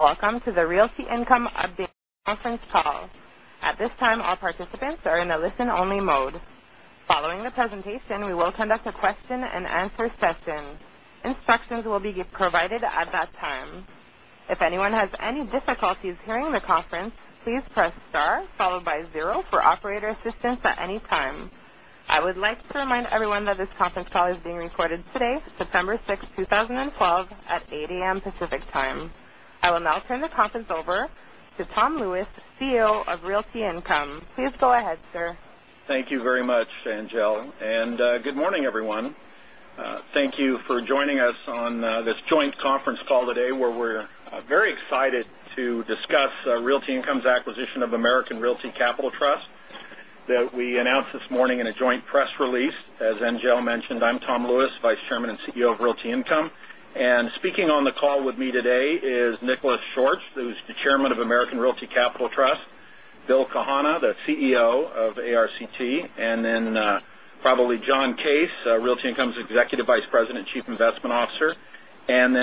Welcome to the Realty Income update conference call. At this time, all participants are in a listen-only mode. Following the presentation, we will conduct a question and answer session. Instructions will be provided at that time. If anyone has any difficulties hearing the conference, please press star followed by zero for operator assistance at any time. I would like to remind everyone that this conference call is being recorded today, September 6, 2012, at 8:00 A.M. Pacific Time. I will now turn the conference over to Tom Lewis, CEO of Realty Income. Please go ahead, sir. Thank you very much, Angelle. Good morning, everyone. Thank you for joining us on this joint conference call today, where we're very excited to discuss Realty Income's acquisition of American Realty Capital Trust that we announced this morning in a joint press release. As Angelle mentioned, I'm Tom Lewis, Vice Chairman and CEO of Realty Income. Speaking on the call with me today is Nicholas Schorsch, who's the chairman of American Realty Capital Trust, Bill Kahane, the CEO of ARCT, probably John Case, Realty Income's Executive Vice President, Chief Investment Officer.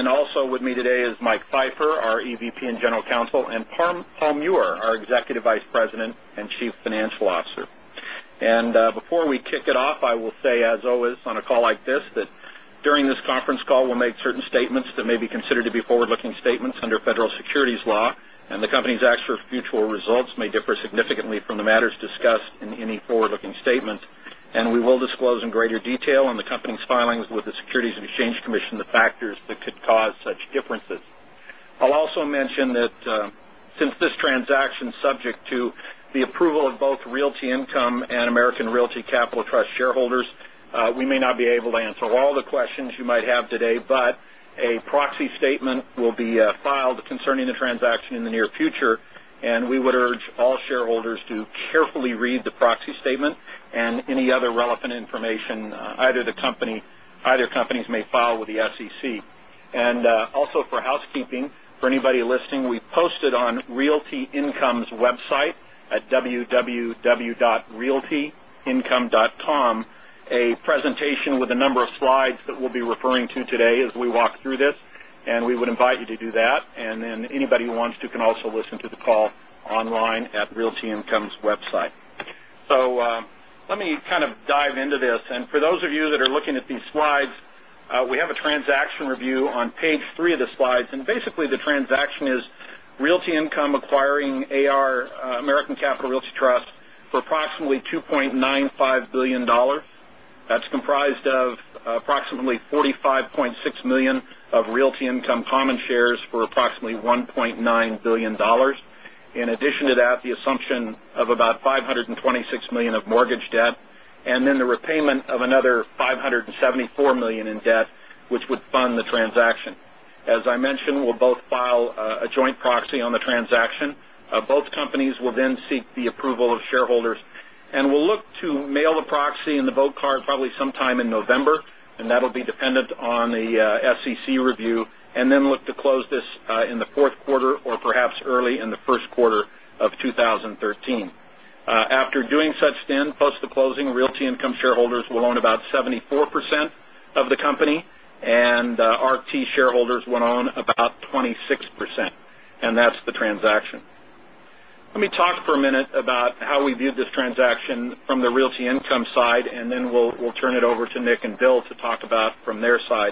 Also with me today is Mike Pfeiffer, our EVP and General Counsel, and Paul Meurer, our Executive Vice President and Chief Financial Officer. Before we kick it off, I will say, as always, on a call like this, that during this conference call, we'll make certain statements that may be considered to be forward-looking statements under federal securities law, the company's actual future results may differ significantly from the matters discussed in any forward-looking statement. We will disclose in greater detail on the company's filings with the Securities and Exchange Commission the factors that could cause such differences. I'll also mention that since this transaction's subject to the approval of both Realty Income and American Realty Capital Trust shareholders, we may not be able to answer all the questions you might have today. A proxy statement will be filed concerning the transaction in the near future, we would urge all shareholders to carefully read the proxy statement and any other relevant information either companies may file with the SEC. Also for housekeeping, for anybody listening, we posted on Realty Income's website at www.realtyincome.com a presentation with a number of slides that we'll be referring to today as we walk through this, we would invite you to do that. Anybody who wants to can also listen to the call online at Realty Income's website. Let me kind of dive into this. For those of you that are looking at these slides, we have a transaction review on page three of the slides. Basically, the transaction is Realty Income acquiring American Realty Capital Trust for approximately $2.95 billion. That's comprised of approximately $45.6 million of Realty Income common shares for approximately $1.9 billion. In addition to that, the assumption of about $526 million of mortgage debt, then the repayment of another $574 million in debt, which would fund the transaction. As I mentioned, we'll both file a joint proxy on the transaction. Both companies will seek the approval of shareholders. We'll look to mail the proxy and the vote card probably sometime in November. That'll be dependent on the SEC review. Then look to close this in the fourth quarter or perhaps early in the first quarter of 2013. After doing such then, post the closing, Realty Income shareholders will own about 74% of the company. RT shareholders will own about 26%. That's the transaction. Let me talk for a minute about how we view this transaction from the Realty Income side. Then we'll turn it over to Nick and Bill to talk about from their side.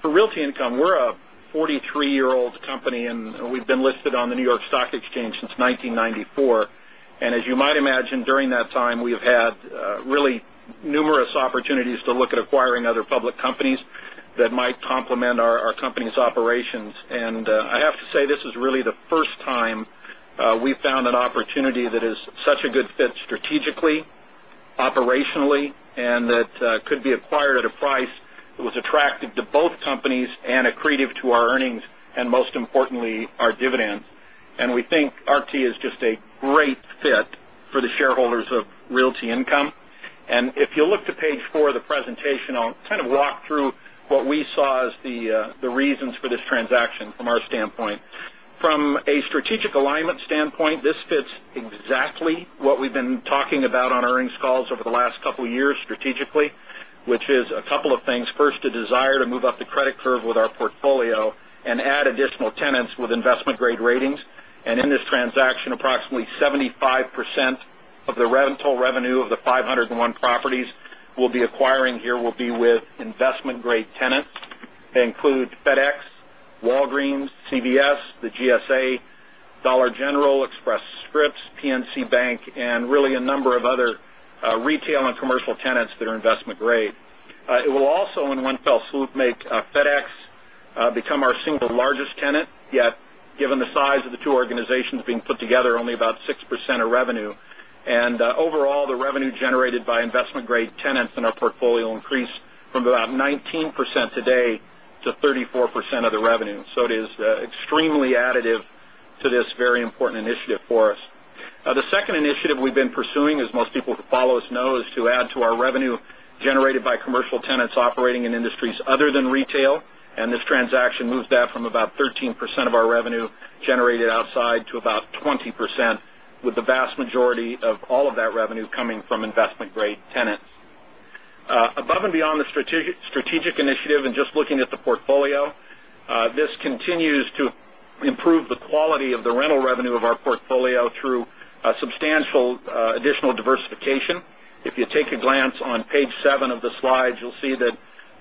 For Realty Income, we're a 43-year-old company. We've been listed on the New York Stock Exchange since 1994. As you might imagine, during that time, we've had really numerous opportunities to look at acquiring other public companies that might complement our company's operations. I have to say, this is really the first time we've found an opportunity that is such a good fit strategically, operationally. That could be acquired at a price that was attractive to both companies and accretive to our earnings. Most importantly, our dividends. We think RT is just a great fit for the shareholders of Realty Income. If you look to page four of the presentation, I'll kind of walk through what we saw as the reasons for this transaction from our standpoint. From a strategic alignment standpoint, this fits exactly what we've been talking about on earnings calls over the last couple of years strategically, which is a couple of things. First, a desire to move up the credit curve with our portfolio and add additional tenants with investment-grade ratings. In this transaction, approximately 75% of the rental revenue of the 501 properties we'll be acquiring here will be with investment-grade tenants. They include FedEx, Walgreens, CVS, the GSA, Dollar General, Express Scripts, PNC Bank, really a number of other retail and commercial tenants that are investment-grade. It will also, in one fell swoop, make FedEx become our single largest tenant, yet given the size of the two organizations being put together, only about 6% of revenue. Overall, the revenue generated by investment-grade tenants in our portfolio increased from about 19% today to 34% of the revenue. It is extremely additive to this very important initiative for us. The second initiative we've been pursuing, as most people who follow us know, is to add to our revenue generated by commercial tenants operating in industries other than retail. This transaction moves that from about 13% of our revenue generated outside to about 20%, with the vast majority of all of that revenue coming from investment-grade tenants. Above and beyond the strategic initiative just looking at the portfolio, this continues to improve the quality of the rental revenue of our portfolio through substantial additional diversification. If you take a glance on page seven of the slides, you'll see that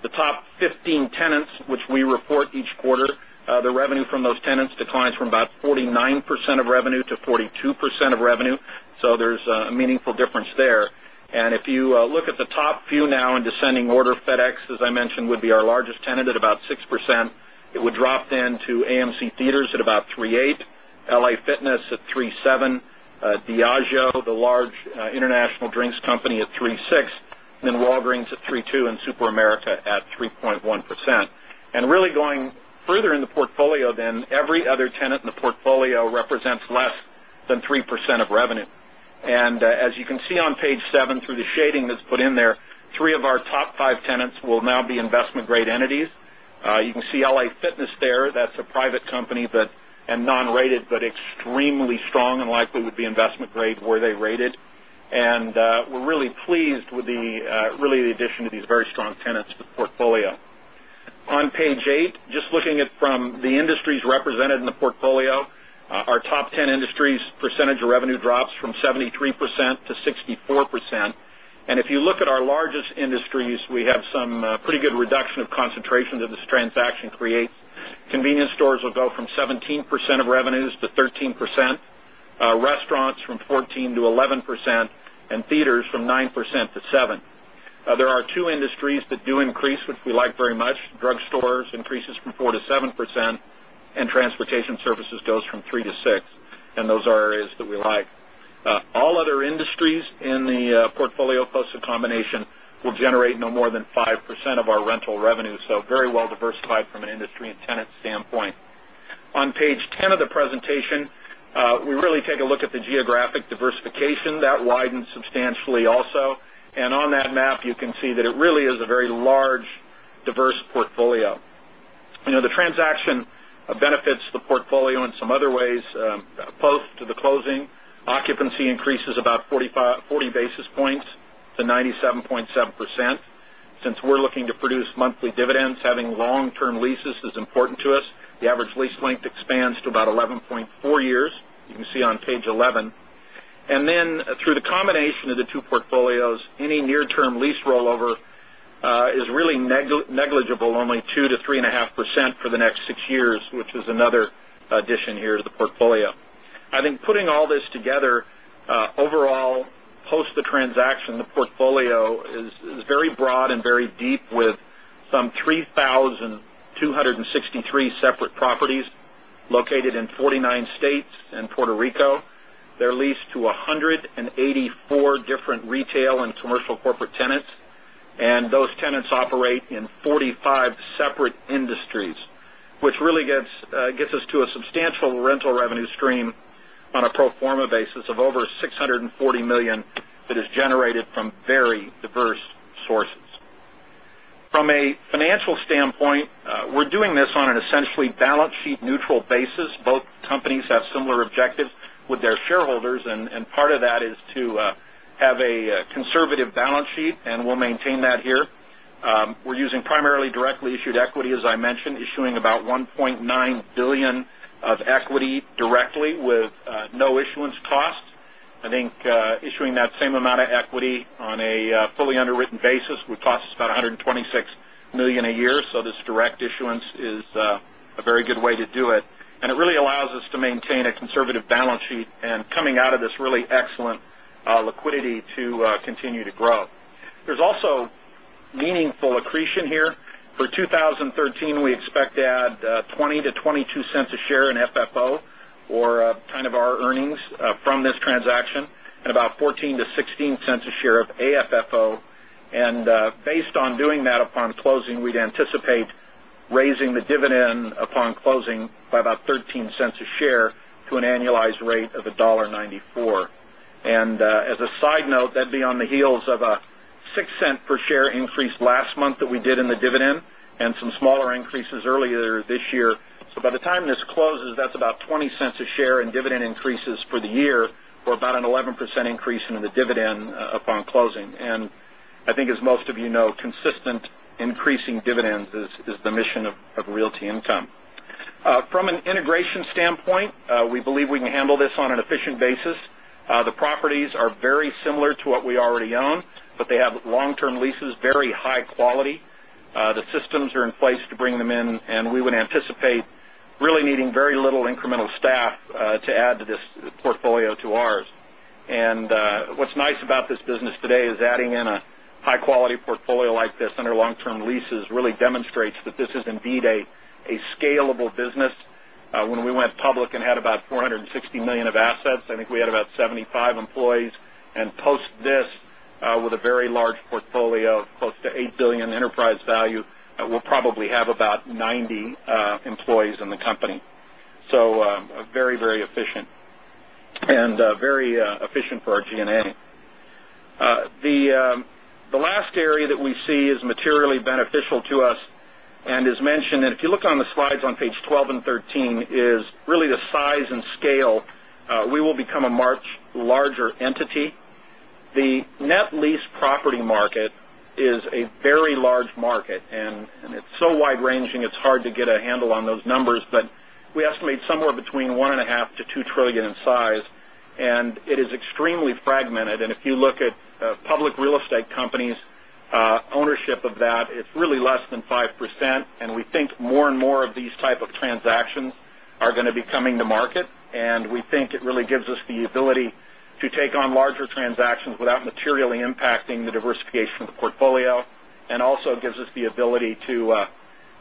the top 15 tenants, which we report each quarter, the revenue from those tenants declines from about 49% of revenue to 42% of revenue. There's a meaningful difference there. If you look at the top few now in descending order, FedEx, as I mentioned, would be our largest tenant at about 6%. It would drop then to AMC Theatres at about 3.8%, LA Fitness at 3.7%, Diageo, the large international drinks company at 3.6%, and then Walgreens at 3.2%, and SuperAmerica at 3.1%. Really going further in the portfolio then, every other tenant in the portfolio represents less than 3% of revenue. As you can see on page seven, through the shading that's put in there, three of our top five tenants will now be investment-grade entities. You can see LA Fitness there. That's a private company and non-rated, but extremely strong and likely would be investment-grade were they rated. We're really pleased with the addition of these very strong tenants to the portfolio. On page eight, just looking at from the industries represented in the portfolio, our top 10 industries' percentage of revenue drops from 73% to 64%. If you look at our largest industries, we have some pretty good reduction of concentration that this transaction creates. Convenience stores will go from 17% of revenues to 13%, restaurants from 14% to 11%, and theaters from 9% to 7%. There are two industries that do increase, which we like very much. Drug stores increases from 4% to 7%, and transportation services goes from 3% to 6%, and those are areas that we like. All other industries in the portfolio post the combination will generate no more than 5% of our rental revenue, so very well-diversified from an industry and tenant standpoint. On page 10 of the presentation, we really take a look at the geographic diversification. That widened substantially also. On that map, you can see that it really is a very large, diverse portfolio. The transaction benefits the portfolio in some other ways. Post to the closing, occupancy increases about 40 basis points to 97.7%. Since we're looking to produce monthly dividends, having long-term leases is important to us. The average lease length expands to about 11.4 years. You can see on page 11. Then through the combination of the two portfolios, any near-term lease rollover is really negligible, only 2%-3.5% for the next six years, which is another addition here to the portfolio. I think putting all this together, overall, post the transaction, the portfolio is very broad and very deep, with some 3,263 separate properties located in 49 states and Puerto Rico. They're leased to 184 different retail and commercial corporate tenants, and those tenants operate in 45 separate industries, which really gets us to a substantial rental revenue stream on a pro forma basis of over $640 million that is generated from very diverse sources. From a financial standpoint, we're doing this on an essentially balance sheet neutral basis. Both companies have similar objectives with their shareholders, and part of that is to have a conservative balance sheet, and we'll maintain that here. We're using primarily directly issued equity, as I mentioned, issuing about $1.9 billion of equity directly with no issuance cost. I think issuing that same amount of equity on a fully underwritten basis would cost us about $126 million a year, this direct issuance is a very good way to do it, and it really allows us to maintain a conservative balance sheet and coming out of this really excellent liquidity to continue to grow. There's also meaningful accretion here. For 2013, we expect to add $0.20-$0.22 a share in FFO, or kind of our earnings from this transaction, and about $0.14-$0.16 a share of AFFO. Based on doing that upon closing, we'd anticipate raising the dividend upon closing by about $0.13 a share to an annualized rate of $1.94. As a side note, that'd be on the heels of a $0.06 per share increase last month that we did in the dividend and some smaller increases earlier this year. By the time this closes, that's about $0.20 a share in dividend increases for the year, or about an 11% increase in the dividend upon closing. I think as most of you know, consistent increasing dividends is the mission of Realty Income. From an integration standpoint, we believe we can handle this on an efficient basis. The properties are very similar to what we already own, but they have long-term leases, very high quality. The systems are in place to bring them in, and we'd anticipate really needing very little incremental staff to add to this portfolio to ours. What's nice about this business today is adding in a high-quality portfolio like this under long-term leases really demonstrates that this is indeed a scalable business. When we went public and had about $460 million of assets, I think we had about 75 employees, and post this, with a very large portfolio of close to $8 billion enterprise value, we'll probably have about 90 employees in the company. Very efficient, and very efficient for our G&A. The last area that we see as materially beneficial to us as mentioned, and if you look on the slides on page 12 and 13, is really the size and scale. We will become a much larger entity. The net lease property market is a very large market, and it's so wide-ranging, it's hard to get a handle on those numbers, but we estimate somewhere between one and a half trillion to $2 trillion in size, and it is extremely fragmented. If you look at public real estate companies' ownership of that, it's really less than 5%, and we think more and more of these type of transactions are going to be coming to market. We think it really gives us the ability to take on larger transactions without materially impacting the diversification of the portfolio, and also gives us the ability to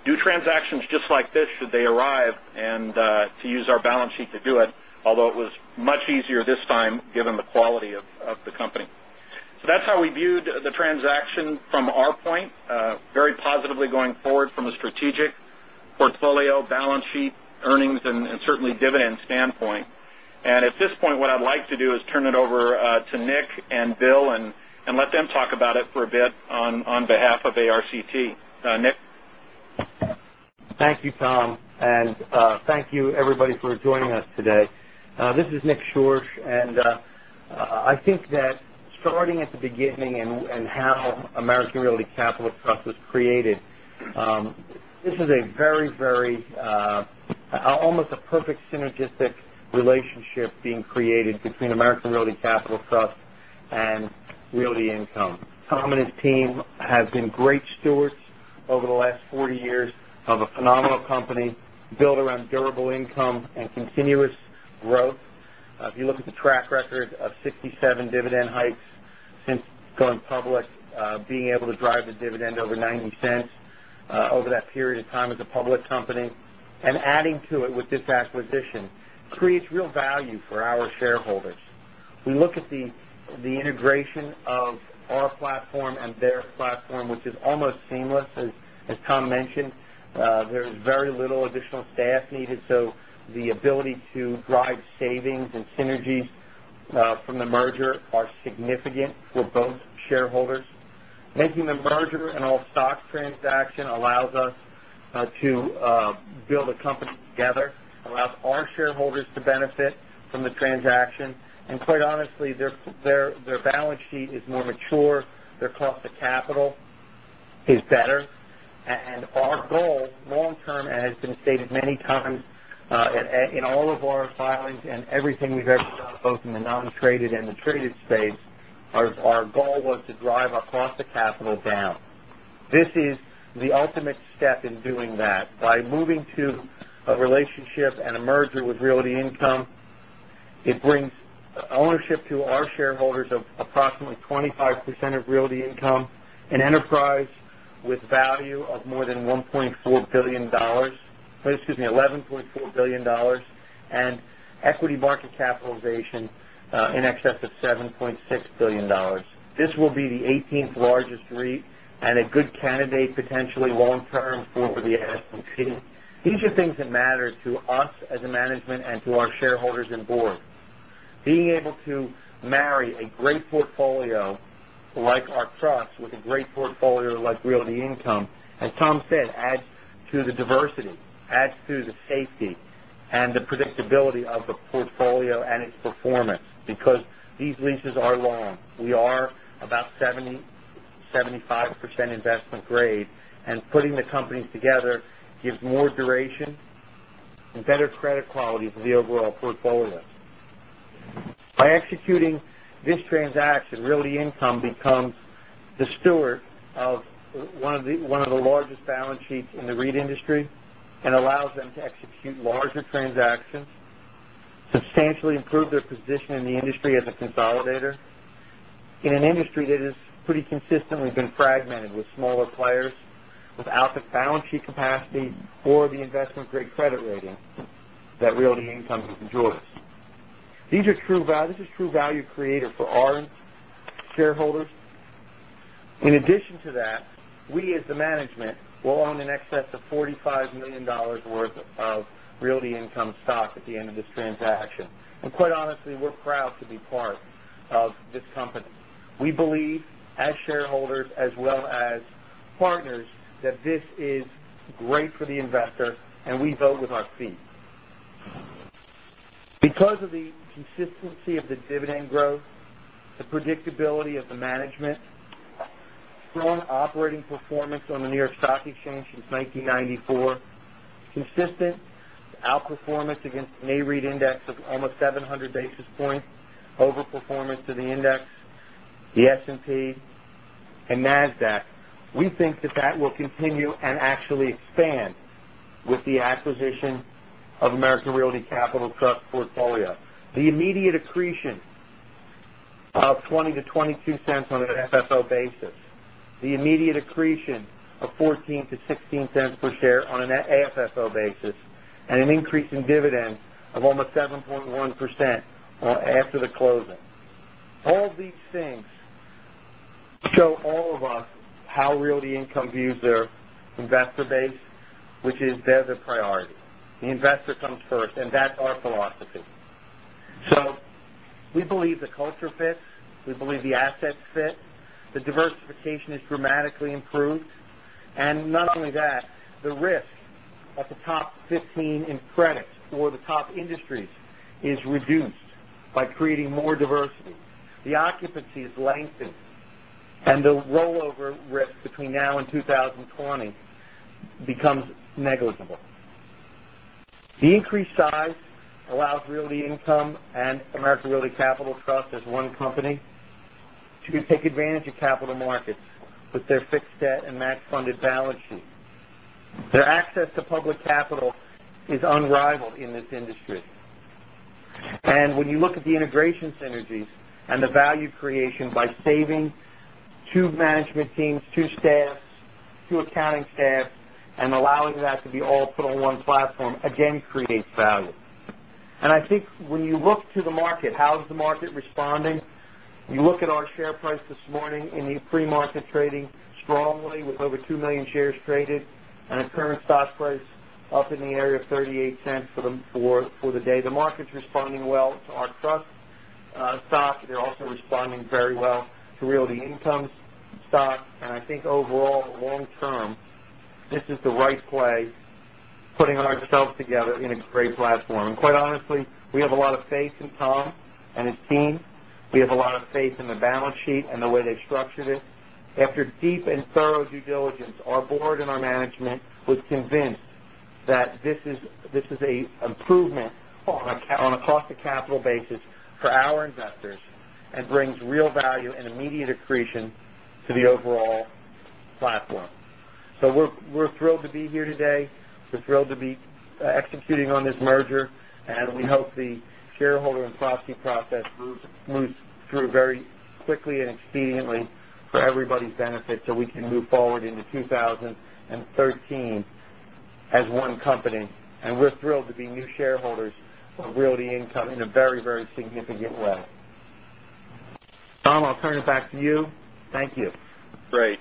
do transactions just like this, should they arrive, and to use our balance sheet to do it. Although, it was much easier this time given the quality of the company. That's how we viewed the transaction from our point, very positively going forward from a strategic portfolio, balance sheet, earnings, and certainly dividend standpoint. At this point, what I'd like to do is turn it over to Nick and Bill and let them talk about it for a bit on behalf of ARCT. Nick? Thank you, Tom, and thank you everybody for joining us today. This is Nicholas Schorsch. I think that starting at the beginning and how American Realty Capital Trust was created, this is almost a perfect synergistic relationship being created between American Realty Capital Trust and Realty Income. Tom and his team have been great stewards over the last 40 years of a phenomenal company built around durable income and continuous growth. If you look at the track record of 67 dividend hikes since going public, being able to drive the dividend over $0.90 over that period of time as a public company, adding to it with this acquisition, creates real value for our shareholders. We look at the integration of our platform and their platform, which is almost seamless, as Tom mentioned. There's very little additional staff needed, the ability to drive savings and synergies from the merger are significant for both shareholders. Making the merger an all-stock transaction allows us to build a company together, allows our shareholders to benefit from the transaction, quite honestly, their balance sheet is more mature, their cost of capital is better. Our goal long-term, as been stated many times in all of our filings and everything we've ever done, both in the non-traded and the traded space, our goal was to drive our cost of capital down. This is the ultimate step in doing that. By moving to a relationship and a merger with Realty Income, it brings ownership to our shareholders of approximately 25% of Realty Income, an enterprise with value of more than $11.4 billion, and equity market capitalization in excess of $7.6 billion. This will be the 18th largest REIT, a good candidate, potentially long-term, for the S&P. These are things that matter to us as a management and to our shareholders and board. Being able to marry a great portfolio like our trust with a great portfolio like Realty Income, as Tom said, adds to the diversity, adds to the safety, and the predictability of the portfolio and its performance because these leases are long. We are about 75% investment-grade, putting the companies together gives more duration and better credit quality for the overall portfolio. By executing this transaction, Realty Income becomes the steward of one of the largest balance sheets in the REIT industry and allows them to execute larger transactions, substantially improve their position in the industry as a consolidator in an industry that has pretty consistently been fragmented with smaller players without the balance sheet capacity or the investment-grade credit rating that Realty Income enjoys. This is true value creator for our shareholders. In addition to that, we, as the management, will own in excess of $45 million worth of Realty Income stock at the end of this transaction. Quite honestly, we're proud to be part of this company. We believe, as shareholders as well as partners, that this is great for the investor. We vote with our feet. Because of the consistency of the dividend growth, the predictability of the management, strong operating performance on the New York Stock Exchange since 1994, consistent outperformance against a REIT index of almost 700 basis points, overperformance to the index, the S&P, and Nasdaq, we think that that will continue and actually expand with the acquisition of American Realty Capital Trust portfolio. The immediate accretion of $0.20-$0.22 on an FFO basis, the immediate accretion of $0.14-$0.16 per share on an AFFO basis, and an increase in dividends of almost 7.1% after the closing. All these things show all of us how Realty Income views their investor base, which is they're the priority. The investor comes first, and that's our philosophy. We believe the culture fits. We believe the assets fit. The diversification is dramatically improved. Not only that, the risk at the top 15 in credit or the top industries is reduced by creating more diversity. The occupancy is lengthened, and the rollover risk between now and 2020 becomes negligible. The increased size allows Realty Income and American Realty Capital Trust as one company to take advantage of capital markets with their fixed debt and match-funded balance sheet. Their access to public capital is unrivaled in this industry. When you look at the integration synergies and the value creation by saving two management teams, two staffs, two accounting staffs, and allowing that to be all put on one platform, again, creates value. I think when you look to the market, how is the market responding? You look at our share price this morning in the pre-market trading strongly with over 2 million shares traded and a current stock price up in the area of $0.38 for the day. The market's responding well to our trust stock. They're also responding very well to Realty Income's stock. I think overall, long-term, this is the right play, putting ourselves together in a great platform. Quite honestly, we have a lot of faith in Tom and his team. We have a lot of faith in the balance sheet and the way they've structured it. After deep and thorough due diligence, our board and our management was convinced that this is an improvement on a cost of capital basis for our investors and brings real value and immediate accretion to the overall platform. We're thrilled to be here today. We're thrilled to be executing on this merger, we hope the shareholder and proxy process moves through very quickly and expediently for everybody's benefit so we can move forward into 2013 as one company. We're thrilled to be new shareholders of Realty Income in a very, very significant way. Tom, I'll turn it back to you. Thank you. Great.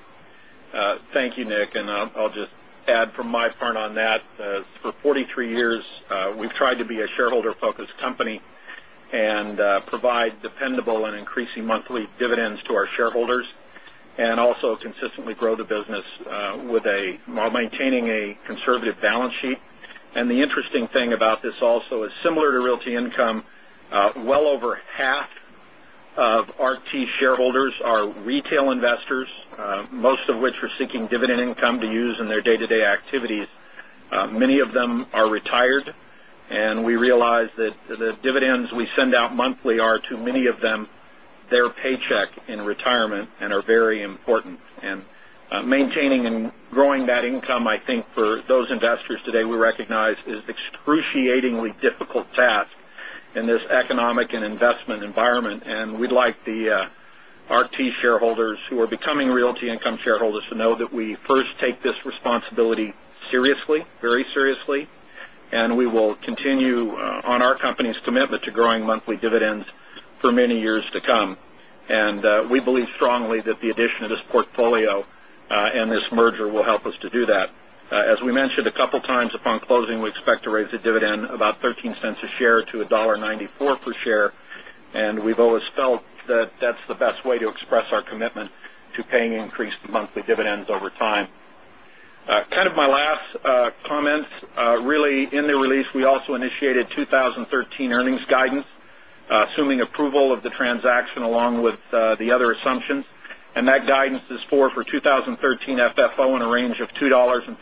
Thank you, Nick. I'll just add from my part on that, for 43 years, we've tried to be a shareholder-focused company and provide dependable and increasing monthly dividends to our shareholders and also consistently grow the business while maintaining a conservative balance sheet. The interesting thing about this also is similar to Realty Income, well over half of RT shareholders are retail investors, most of which are seeking dividend income to use in their day-to-day activities. Many of them are retired, we realize that the dividends we send out monthly are, to many of them, their paycheck in retirement and are very important. Maintaining and growing that income, I think for those investors today, we recognize is excruciatingly difficult task in this economic and investment environment. We'd like the RT shareholders who are becoming Realty Income shareholders to know that we first take this responsibility seriously, very seriously, we will continue on our company's commitment to growing monthly dividends for many years to come. We believe strongly that the addition of this portfolio and this merger will help us to do that. As we mentioned a couple of times upon closing, we expect to raise the dividend about $0.13 a share to $1.94 per share. We've always felt that that's the best way to express our commitment to paying increased monthly dividends over time. Kind of my last comments, really, in the release, we also initiated 2013 earnings guidance, assuming approval of the transaction along with the other assumptions. That guidance is for 2013 FFO in a range of $2.30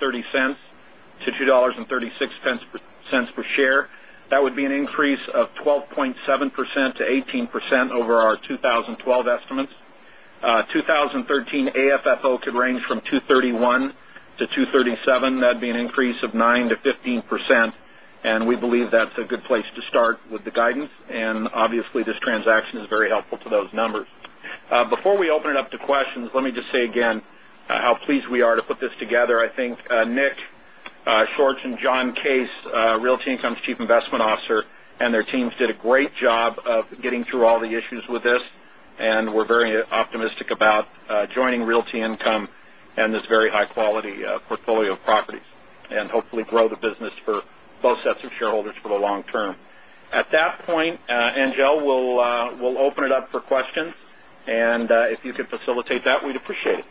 to $2.36 per share. That would be an increase of 12.7%-18% over our 2012 estimates. 2013 AFFO could range from $2.31 to $2.37. That would be an increase of 9%-15%, we believe that's a good place to start with the guidance. Obviously, this transaction is very helpful to those numbers. Before we open it up to questions, let me just say again how pleased we are to put this together. I think Nick Schorsch and John Case, Realty Income's Chief Investment Officer, their teams did a great job of getting through all the issues with this, we're very optimistic about joining Realty Income and this very high-quality portfolio of properties, hopefully grow the business for both sets of shareholders for the long term. At that point, Angelle, we'll open it up for questions, if you could facilitate that, we'd appreciate it.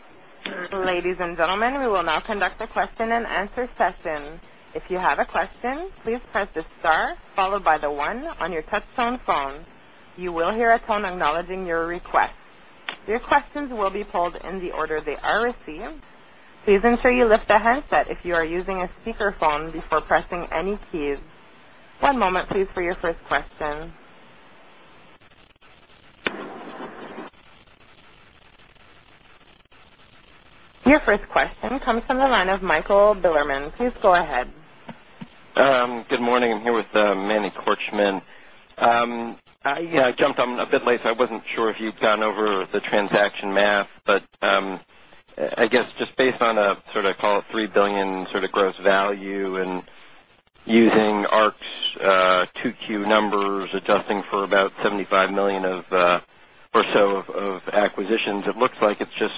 Ladies and gentlemen, we will now conduct a question-and-answer session. If you have a question, please press the star followed by the one on your touchtone phone. You will hear a tone acknowledging your request. Your questions will be pulled in the order they are received. Please ensure you lift the handset if you are using a speakerphone before pressing any keys. One moment, please, for your first question. Your first question comes from the line of Michael Bilerman. Please go ahead. Good morning. I'm here with Manny Korchman. I jumped on a bit late, so I wasn't sure if you've gone over the transaction math, I guess just based on a sort of, call it $3 billion sort of gross value and using ARC's 2Q numbers, adjusting for about $75 million or so of acquisitions, it looks like it's just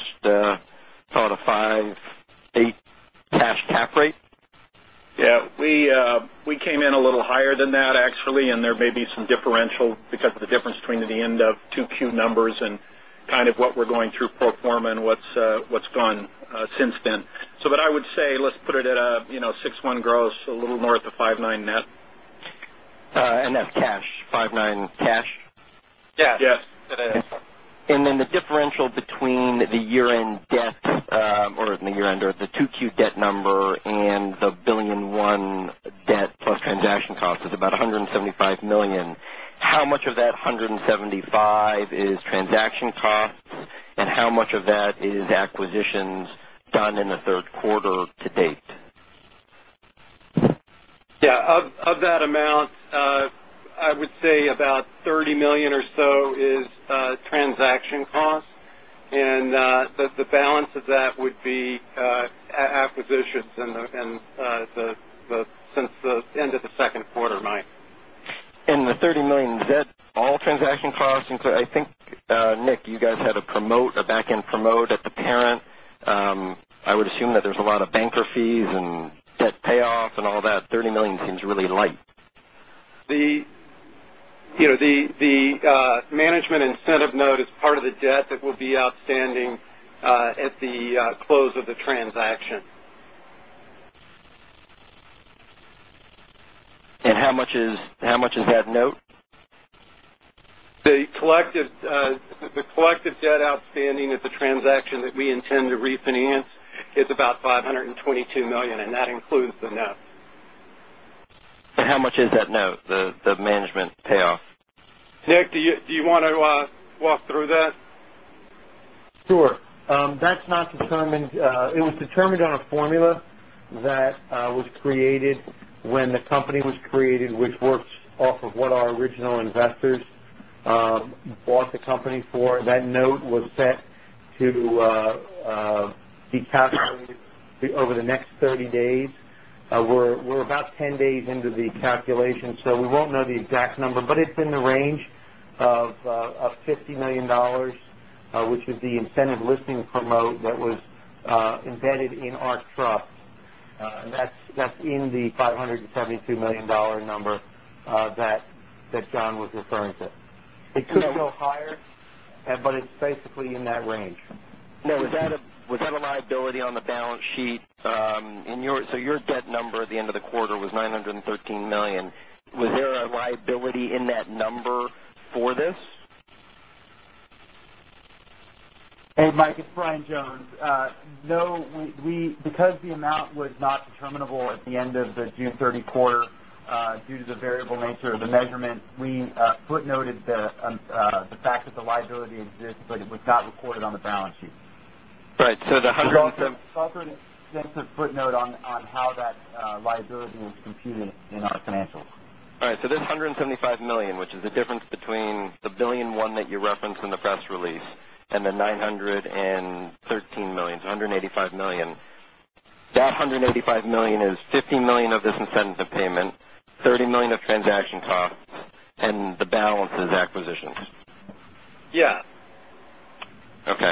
call it a five, eight. Yeah, we came in a little higher than that, actually, there may be some differential because of the difference between the end of 2Q numbers and what we're going through pro forma and what's gone since then. What I would say, let's put it at a 6.1 gross, a little north of 5.9 net. That's cash, 5.9 cash? Yes. The differential between the year-end debt or the 2Q debt number and the $1,000,000,001 debt plus transaction cost is about $175 million. How much of that $175 million is transaction costs, and how much of that is acquisitions done in the third quarter to date? Yeah. Of that amount, I would say about $30 million or so is transaction costs, and the balance of that would be acquisitions since the end of the second quarter, Mike. The $30 million, is that all transaction costs? I think, Nick, you guys had a back-end promote at the parent. I would assume that there's a lot of banker fees and debt payoff and all that. $30 million seems really light. The management incentive note is part of the debt that will be outstanding at the close of the transaction. How much is that note? The collective debt outstanding at the transaction that we intend to refinance is about $522 million, and that includes the note. How much is that note, the management payoff? Nick, do you want to walk through that? Sure. That's not determined. It was determined on a formula that was created when the company was created, which works off of what our original investors bought the company for. That note was set to be calculated over the next 30 days. We're about 10 days into the calculation, so we won't know the exact number, but it's in the range of $50 million, which is the incentive listing promote that was embedded in our trust. That's in the $572 million number that John was referring to. It could go higher, but it's basically in that range. Was that a liability on the balance sheet? Your debt number at the end of the quarter was $913 million. Was there a liability in that number for this? Hey, Mike, it's Brian Jones. Because the amount was not determinable at the end of the June 30 quarter, due to the variable nature of the measurement, we footnoted the fact that the liability exists, but it was not recorded on the balance sheet. Right. We also sent a footnote on how that liability was computed in our financials. All right, this $175 million, which is the difference between the $1.1 billion that you referenced in the press release and the $913 million, so $185 million. That $185 million is $50 million of this incentive payment, $30 million of transaction costs, and the balance is acquisitions. Yeah. Okay.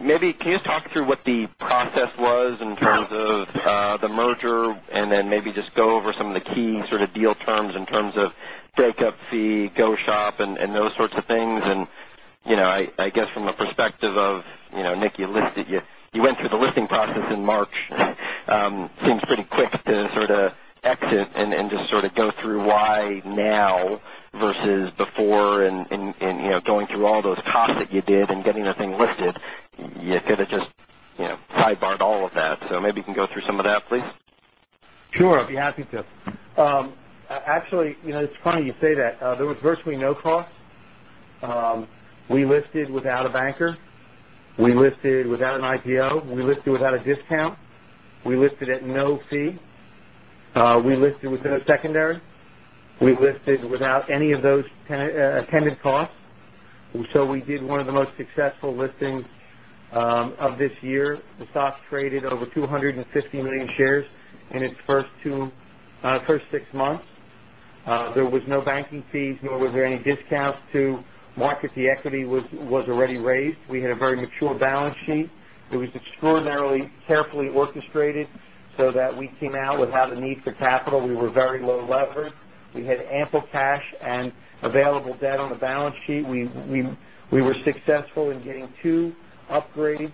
Maybe can you just talk through what the process was in terms of the merger, and then maybe just go over some of the key sort of deal terms in terms of breakup fee, go shop, and those sorts of things and I guess from a perspective of Nick, you went through the listing process in March. Seems pretty quick to sort of exit and just sort of go through why now versus before and going through all those costs that you did and getting the thing listed, you could have just side barred all of that. Maybe you can go through some of that, please. Sure, I'd be happy to. Actually, it's funny you say that. There was virtually no cost. We listed without a banker. We listed without an IPO. We listed without a discount. We listed at no fee. We listed within a secondary. We listed without any of those attendant costs. We did one of the most successful listings of this year. The stock traded over 250 million shares in its first six months. There was no banking fees, nor was there any discounts to market. The equity was already raised. We had a very mature balance sheet that was extraordinarily carefully orchestrated so that we came out without a need for capital. We were very low leverage. We had ample cash and available debt on the balance sheet. We were successful in getting two upgrades,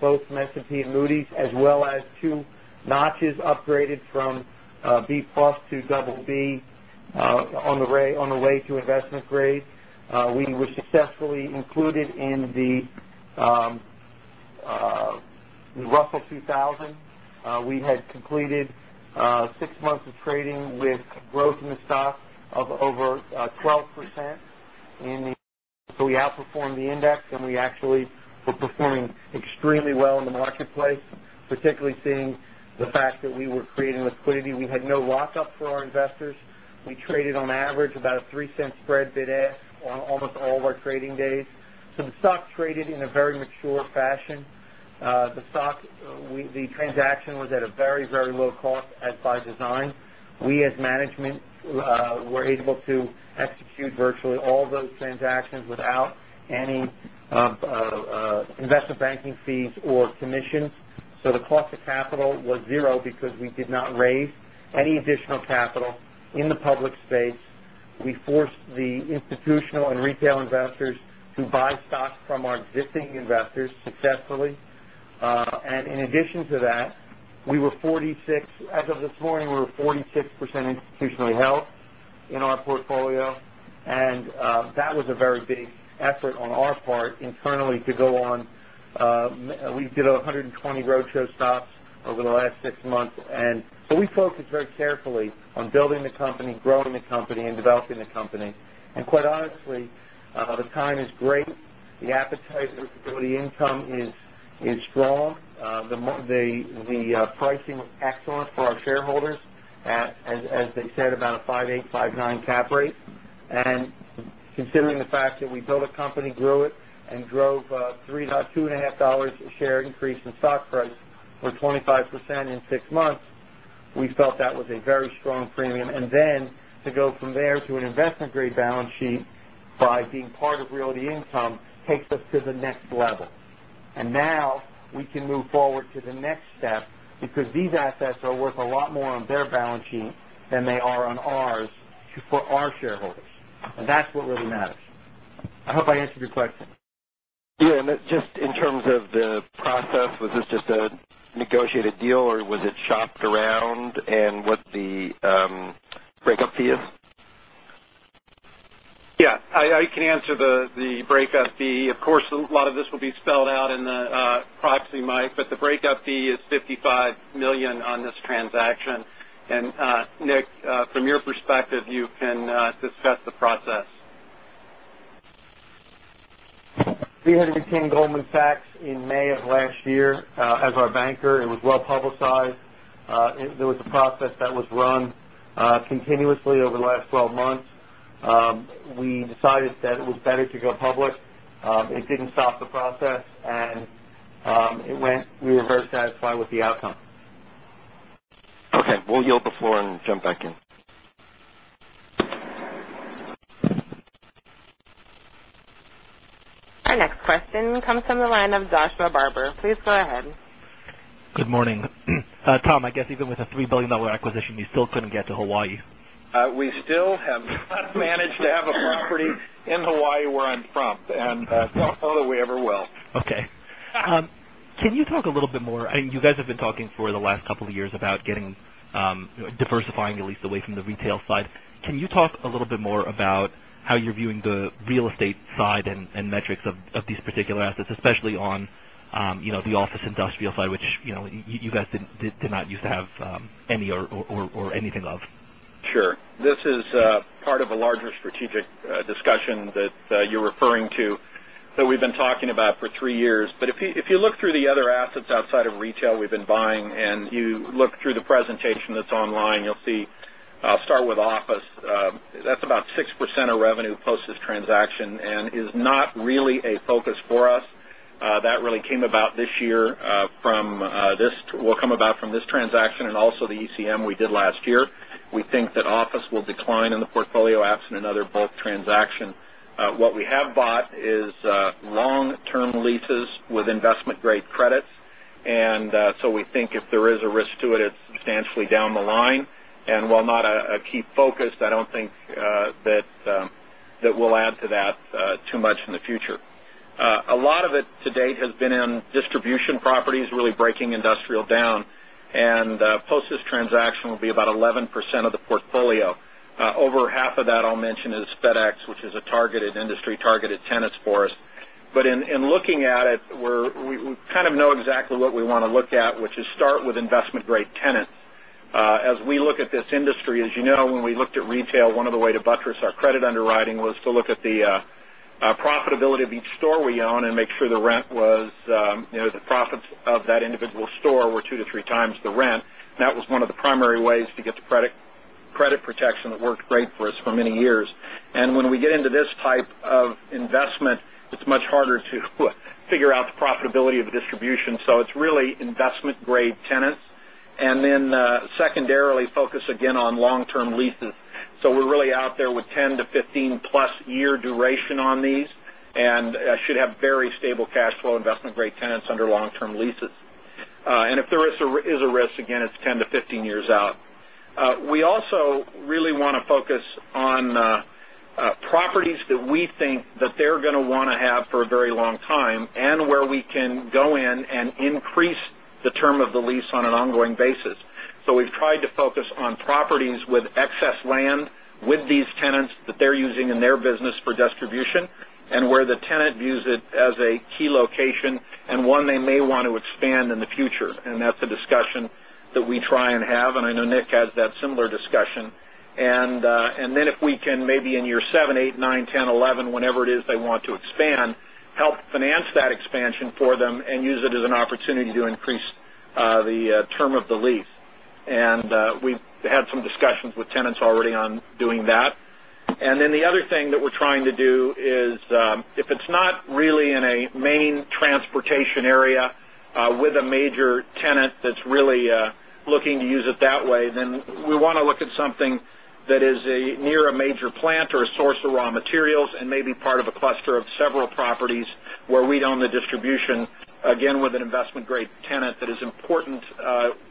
both from S&P and Moody's, as well as two notches upgraded from B+ to BB on the way to investment grade. We were successfully included in the Russell 2000. We had completed six months of trading with growth in the stock of over 12%, so we outperformed the index, and we actually were performing extremely well in the marketplace, particularly seeing the fact that we were creating liquidity. We had no lockup for our investors. We traded on average about a $0.03 spread bid/ask on almost all of our trading days. The stock traded in a very mature fashion. The transaction was at a very low cost as by design. We, as management, were able to execute virtually all those transactions without any investment banking fees or commissions. The cost of capital was zero because we did not raise any additional capital in the public space. We forced the institutional and retail investors to buy stock from our existing investors successfully. In addition to that, as of this morning, we were 46% institutionally held in our portfolio, and that was a very big effort on our part internally to go on. We did 120 road show stops over the last six months. We focused very carefully on building the company, growing the company, and developing the company. Quite honestly, the time is great. The appetite for Realty Income is strong. The pricing was excellent for our shareholders, as they said, about a 5.8, 5.9 cap rate. Considering the fact that we built a company, grew it, drove $2.5 a share increase in stock price or 25% in six months, we felt that was a very strong premium. Then to go from there to an investment-grade balance sheet by being part of Realty Income takes us to the next level. Now we can move forward to the next step because these assets are worth a lot more on their balance sheet than they are on ours for our shareholders. That's what really matters. I hope I answered your question. Yeah. Just in terms of the process, was this just a negotiated deal, or was it shopped around, and what the breakup fee is? Yeah, I can answer the breakup fee. Of course, a lot of this will be spelled out in the proxy, Mike, but the breakup fee is $55 million on this transaction. Nick, from your perspective, you can discuss the process. We had retained Goldman Sachs in May of last year as our banker. It was well-publicized. There was a process that was run continuously over the last 12 months. We decided that it was better to go public. It didn't stop the process, and we were very satisfied with the outcome. Okay. We'll yield the floor and jump back in. Our next question comes from the line of Josh Barber. Please go ahead. Good morning. Tom, I guess even with a $3 billion acquisition, you still couldn't get to Hawaii. We still have not managed to have a property in Hawaii where I'm from, don't know that we ever will. Okay. You guys have been talking for the last couple of years about diversifying the lease away from the retail side. Can you talk a little bit more about how you're viewing the real estate side and metrics of these particular assets, especially on the office industrial side, which you guys did not used to have any or anything of? Sure. This is part of a larger strategic discussion that you're referring to that we've been talking about for three years. If you look through the other assets outside of retail we've been buying, you look through the presentation that's online, you'll see, I'll start with office. That's about six% of revenue post this transaction and is not really a focus for us. That really came about this year from this. We'll come about from this transaction and also the ECM we did last year. We think that office will decline in the portfolio absent another bulk transaction. What we have bought is long-term leases with investment-grade credits. So we think if there is a risk to it's substantially down the line. While not a key focus, I don't think that we'll add to that too much in the future. A lot of it to date has been in distribution properties, really breaking industrial down, and post this transaction will be about 11% of the portfolio. Over half of that, I'll mention, is FedEx, which is a targeted industry, targeted tenants for us. In looking at it, we kind of know exactly what we want to look at, which is start with investment-grade tenants. As we look at this industry, as you know, when we looked at retail, one of the way to buttress our credit underwriting was to look at the profitability of each store we own and make sure the profits of that individual store were two to three times the rent. That was one of the primary ways to get the credit protection that worked great for us for many years. When we get into this type of investment, it's much harder to figure out the profitability of a distribution. It's really investment-grade tenants. Secondarily, focus again on long-term leases. We're really out there with 10- to 15-plus year duration on these, and should have very stable cash flow investment-grade tenants under long-term leases. If there is a risk, again, it's 10 to 15 years out. We also really want to focus on properties that we think that they're going to want to have for a very long time, and where we can go in and increase the term of the lease on an ongoing basis. We've tried to focus on properties with excess land with these tenants that they're using in their business for distribution, and where the tenant views it as a key location and one they may want to expand in the future. That's a discussion that we try and have, and I know Nick has that similar discussion. If we can maybe in year seven, eight, nine, 10, 11, whenever it is they want to expand, help finance that expansion for them and use it as an opportunity to increase the term of the lease. We've had some discussions with tenants already on doing that. The other thing that we're trying to do is, if it's not really in a main transportation area with a major tenant that's really looking to use it that way, then we want to look at something that is near a major plant or a source of raw materials and maybe part of a cluster of several properties where we'd own the distribution, again, with an investment-grade tenant that is important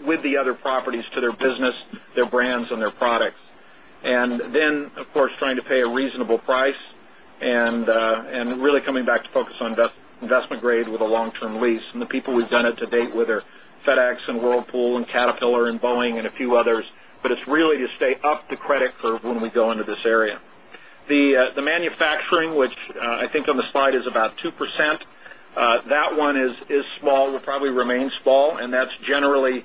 with the other properties to their business, their brands, and their products. Of course, trying to pay a reasonable price and really coming back to focus on investment-grade with a long-term lease. The people we've done it to date, whether FedEx and Whirlpool and Caterpillar and Boeing and a few others, but it's really to stay up the credit curve when we go into this area. The manufacturing, which I think on the slide is about 2%, that one is small, will probably remain small, and that's generally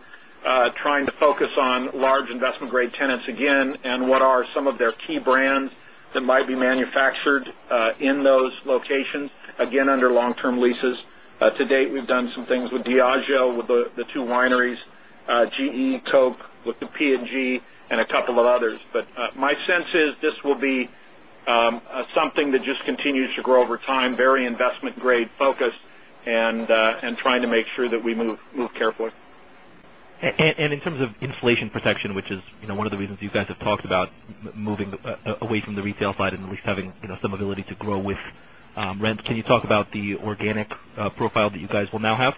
trying to focus on large investment-grade tenants again and what are some of their key brands that might be manufactured in those locations, again, under long-term leases. To date, we've done some things with Diageo, with the two wineries, GE, Coke with the P&G, and a couple of others. My sense is this will be something that just continues to grow over time, very investment-grade focused, and trying to make sure that we move carefully. In terms of inflation protection, which is one of the reasons you guys have talked about moving away from the retail side and at least having some ability to grow with rents, can you talk about the organic profile that you guys will now have?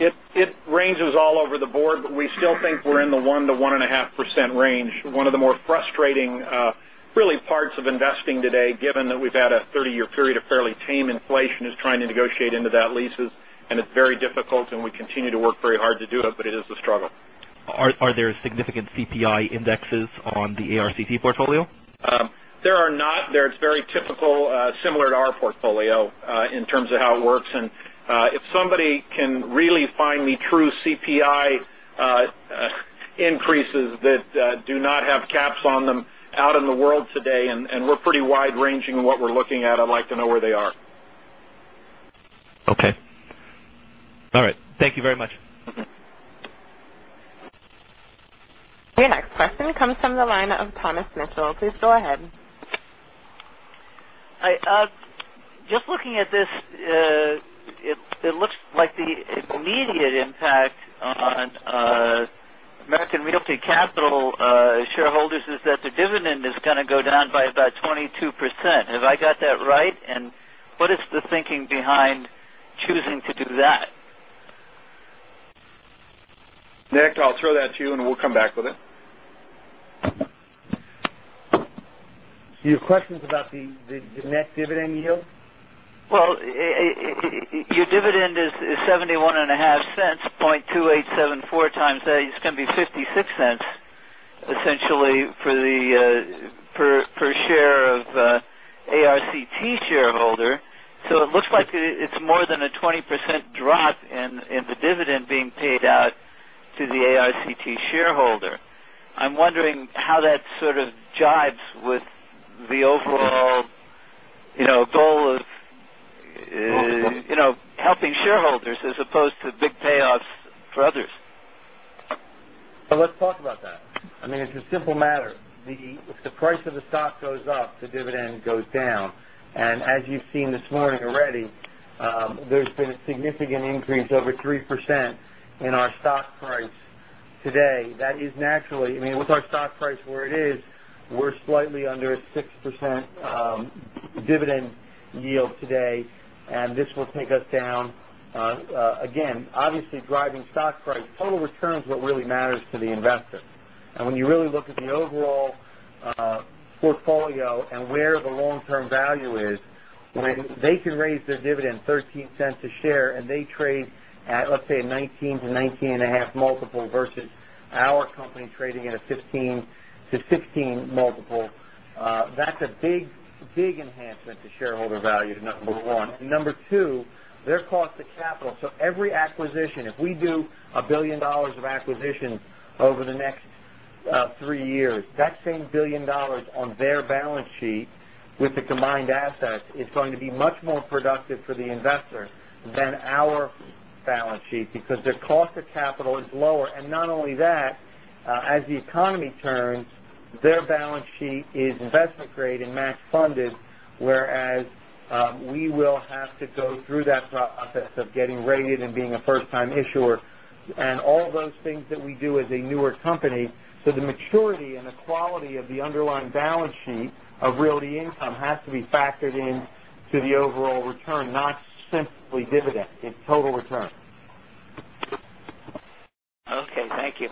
It ranges all over the board, but we still think we're in the 1%-1.5% range. One of the more frustrating parts of investing today, given that we've had a 30-year period of fairly tame inflation, is trying to negotiate into that leases. It's very difficult, and we continue to work very hard to do it, but it is a struggle. Are there significant CPI indexes on the ARCT portfolio? There are not. It's very typical, similar to our portfolio, in terms of how it works. If somebody can really find me true CPI increases that do not have caps on them out in the world today, and we're pretty wide-ranging in what we're looking at, I'd like to know where they are. Okay. All right. Thank you very much. Your next question comes from the line of Tom Mitchell. Please go ahead. Just looking at this, it looks like the immediate impact on American Realty Capital shareholders is that the dividend is going to go down by about 22%. Have I got that right? What is the thinking behind choosing to do that? Nick, I'll throw that to you, and we'll come back with it. Your question's about the net dividend yield? Well, your dividend is $71.5, 0.2874 times that is going to be $0.56, essentially, per share of ARCT shareholder. It looks like it's more than a 20% drop in the dividend being paid out to the ARCT shareholder. I'm wondering how that sort of jives with the overall goal of helping shareholders as opposed to big payoffs for others. Let's talk about that. It's a simple matter. If the price of the stock goes up, the dividend goes down, and as you've seen this morning already, there's been a significant increase, over 3%, in our stock price today. With our stock price where it is, we're slightly under a 6% dividend yield today, and this will take us down. Again, obviously, driving stock price, total return is what really matters to the investor. When you really look at the overall portfolio and where the long-term value is, when they can raise their dividend $0.13 a share and they trade at, let's say, a 19-19.5 multiple versus our company trading at a 15-16 multiple, that's a big enhancement to shareholder value, number one. Number two, their cost of capital. Every acquisition, if we do $1 billion of acquisitions over the next three years, that same $1 billion on their balance sheet with the combined assets is going to be much more productive for the investor than our balance sheet because their cost of capital is lower. Not only that, as the economy turns, their balance sheet is investment-grade and match-funded, whereas we will have to go through that process of getting rated and being a first-time issuer and all those things that we do as a newer company. The maturity and the quality of the underlying balance sheet of Realty Income has to be factored into the overall return, not simply dividend. It's total return. Okay, thank you.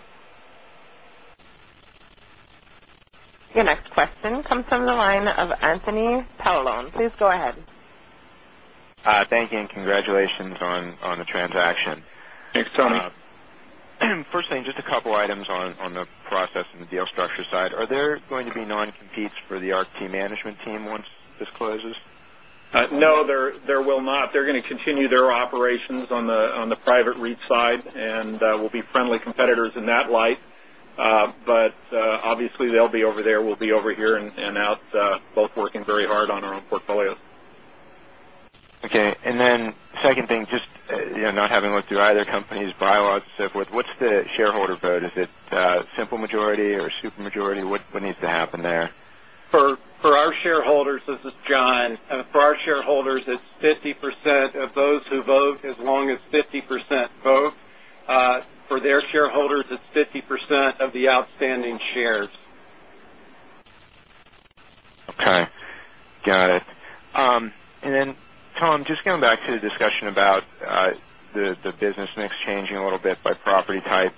Your next question comes from the line of Anthony Paolone. Please go ahead. Thank you, congratulations on the transaction. Thanks, Tony. First thing, just a couple items on the process and the deal structure side. Are there going to be non-competes for the ARCT management team once this closes? No, there will not. They're going to continue their operations on the private REIT side, and we'll be friendly competitors in that light. Obviously, they'll be over there, we'll be over here, and out both working very hard on our own portfolios. Okay. Second thing, just not having looked through either company's bylaws and so forth, what's the shareholder vote? Is it simple majority or super majority? What needs to happen there? For our shareholders, this is John. For our shareholders, it's 50% of those who vote, as long as 50% vote. For their shareholders, it's 50% of the outstanding shares. Got it. Tom, just going back to the discussion about the business mix changing a little bit by property type.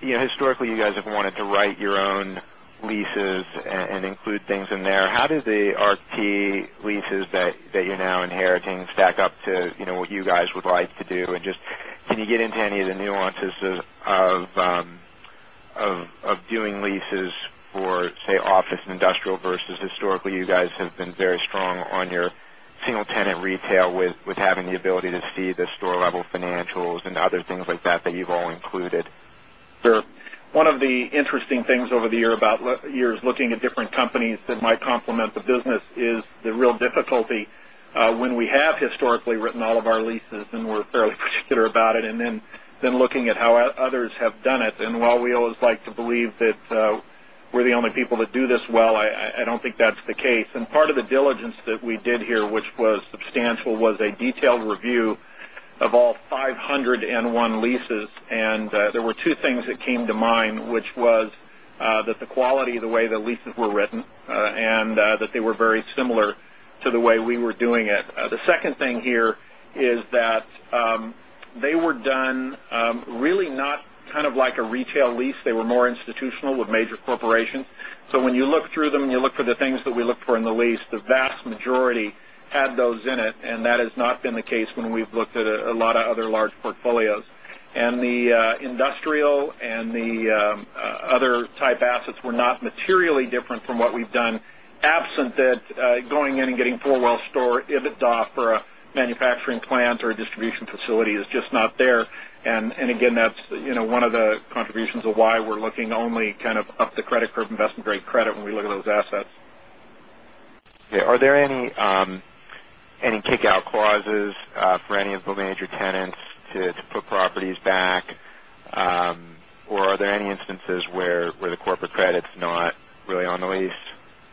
Historically, you guys have wanted to write your own leases and include things in there. How do the ARCT leases that you're now inheriting stack up to what you guys would like to do? Just can you get into any of the nuances of doing leases for, say, office and industrial versus historically, you guys have been very strong on your single-tenant retail with having the ability to see the store-level financials and other things like that you've all included. Sure. One of the interesting things over the years looking at different companies that might complement the business is the real difficulty when we have historically written all of our leases, and we're fairly particular about it, looking at how others have done it. While we always like to believe that we're the only people that do this well, I don't think that's the case. Part of the diligence that we did here, which was substantial, was a detailed review of all 501 leases. There were two things that came to mind, which was that the quality of the way the leases were written, and that they were very similar to the way we were doing it. The second thing here is that they were done really not like a retail lease. They were more institutional with major corporations. When you look through them and you look for the things that we look for in the lease, the vast majority had those in it, that has not been the case when we've looked at a lot of other large portfolios. The industrial and the other type assets were not materially different from what we've done, absent that going in and getting four-wall store EBITDAs for a manufacturing plant or a distribution facility is just not there. Again, that's one of the contributions of why we're looking only up the credit curve, investment-grade credit when we look at those assets. Okay. Are there any kick-out clauses for any of the major tenants to put properties back? Are there any instances where the corporate credit's not really on the lease?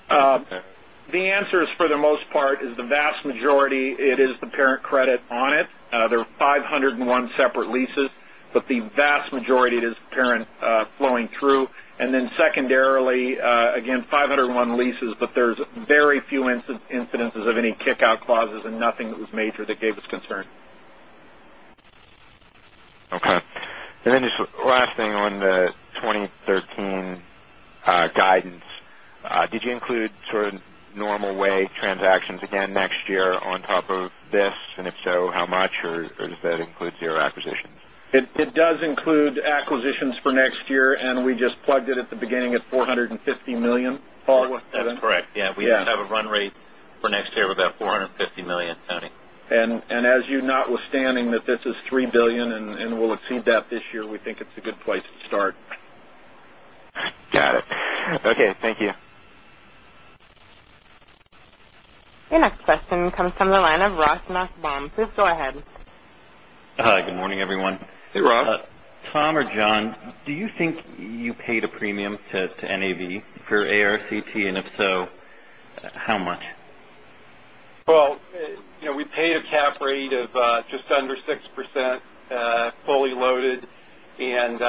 The answer is, for the most part, is the vast majority, it is the parent credit on it. There are 501 separate leases, but the vast majority, it is the parent flowing through. Secondarily, again, 501 leases, but there's very few instances of any kick-out clauses and nothing that was major that gave us concern. Okay. Just last thing on the 2013 guidance. Did you include sort of normal way transactions again next year on top of this? If so, how much, or does that include zero acquisitions? It does include acquisitions for next year, and we just plugged it at the beginning at $450 million. Paul? That's correct. Yeah. Yeah. We just have a run rate for next year of about $450 million, Tony. As you notwithstanding that this is $3 billion and we'll exceed that this year, we think it's a good place to start. Got it. Okay. Thank you. Your next question comes from the line of Ross Naqvi. Please go ahead. Hi, good morning, everyone. Hey, Ross. Tom or John, do you think you paid a premium to NAV for ARCT, and if so, how much? Well, we paid a cap rate of just under 6% fully loaded, and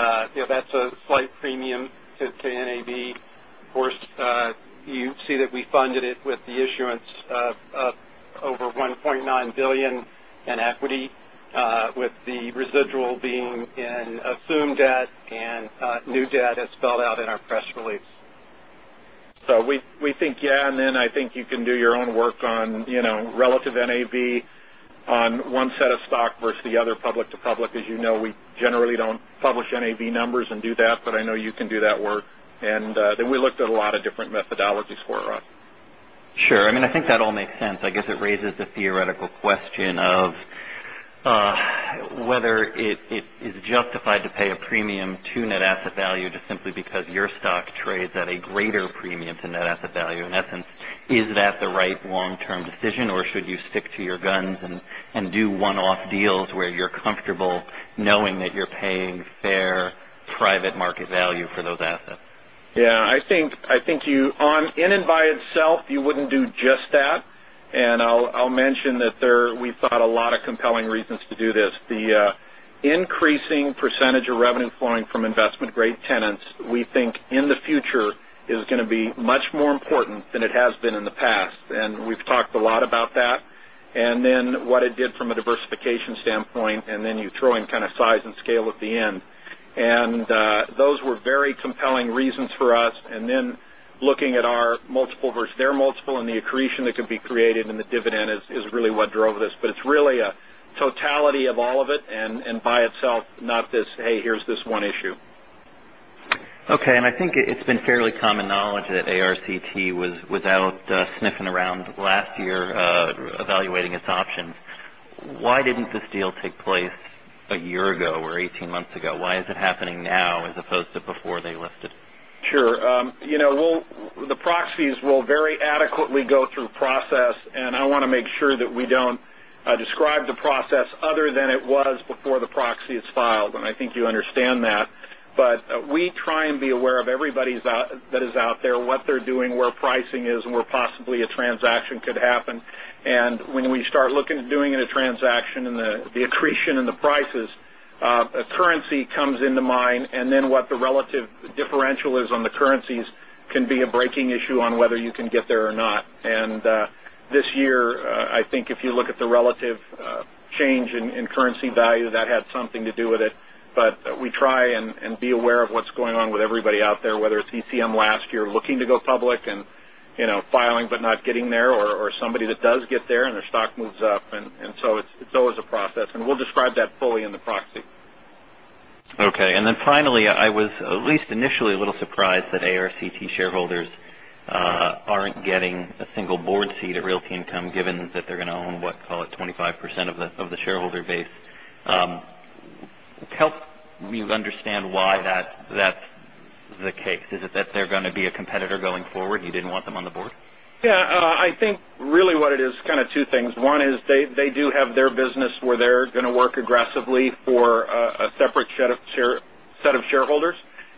that's a slight premium to NAV. Of course, you see that we funded it with the issuance of over $1.9 billion in equity, with the residual being in assumed debt and new debt as spelled out in our press release. We think, yeah, I think you can do your own work on relative NAV on one set of stock versus the other public to public. As you know, we generally don't publish NAV numbers and do that, but I know you can do that work. We looked at a lot of different methodologies for it. Sure. I think that all makes sense. I guess it raises the theoretical question of whether it is justified to pay a premium to net asset value just simply because your stock trades at a greater premium to net asset value. In essence, is that the right long-term decision, or should you stick to your guns and do one-off deals where you're comfortable knowing that you're paying fair private market value for those assets? Yeah, I think in and by itself, you wouldn't do just that. I'll mention that we thought a lot of compelling reasons to do this. The increasing percentage of revenue flowing from investment-grade tenants, we think, in the future, is going to be much more important than it has been in the past. We've talked a lot about that. What it did from a diversification standpoint, you throw in kind of size and scale at the end. Those were very compelling reasons for us. Looking at our multiple versus their multiple and the accretion that could be created and the dividend is really what drove this, but it's really a totality of all of it and by itself, not this, hey, here's this one issue. I think it's been fairly common knowledge that ARCT was out sniffing around last year evaluating its options. Why didn't this deal take place a year ago or 18 months ago? Why is it happening now as opposed to before they listed? Sure. The proxies will very adequately go through process, I want to make sure that we don't describe the process other than it was before the proxy is filed, I think you understand that. We try and be aware of everybody that is out there, what they're doing, where pricing is, and where possibly a transaction could happen. When we start looking at doing a transaction and the accretion and the prices, currency comes into mind, and then what the relative differential is on the currencies can be a breaking issue on whether you can get there or not. This year, I think if you look at the relative change in currency value, that had something to do with it. We try and be aware of what's going on with everybody out there, whether it's CIM last year looking to go public and filing but not getting there, or somebody that does get there and their stock moves up. It's always a process, and we'll describe that fully in the proxy. Okay. Finally, I was at least initially a little surprised that ARCT shareholders aren't getting a single board seat at Realty Income, given that they're going to own, what, call it 25% of the shareholder base. Help me understand why that's the case. Is it that they're going to be a competitor going forward, you didn't want them on the board? Yeah. I think really what it is, kind of two things. One is they do have their business where they're going to work aggressively for a separate set of shareholders.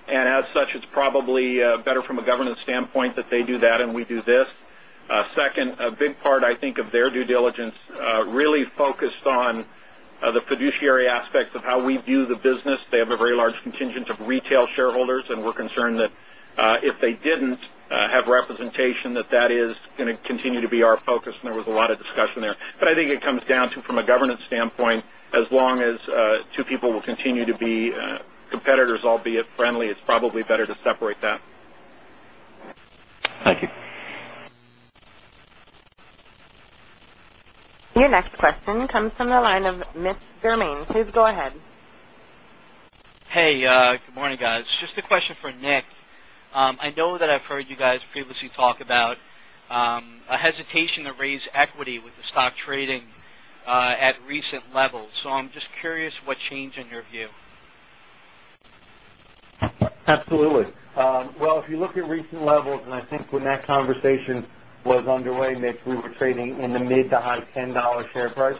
As such, it's probably better from a governance standpoint that they do that and we do this. Second, a big part, I think, of their due diligence really focused on the fiduciary aspects of how we view the business. They have a very large contingent of retail shareholders, and we're concerned that if they didn't have representation, that that is going to continue to be our focus, and there was a lot of discussion there. I think it comes down to, from a governance standpoint, as long as two people will continue to be competitors, albeit friendly, it's probably better to separate that. Thank you. Your next question comes from the line of Mitch Germain. Please go ahead. Hey, good morning, guys. Just a question for Nick. I know that I've heard you guys previously talk about a hesitation to raise equity with the stock trading at recent levels. I'm just curious what changed in your view. Absolutely. Well, if you look at recent levels, and I think when that conversation was underway, Mitch Germain, we were trading in the mid-to-high $10 share price.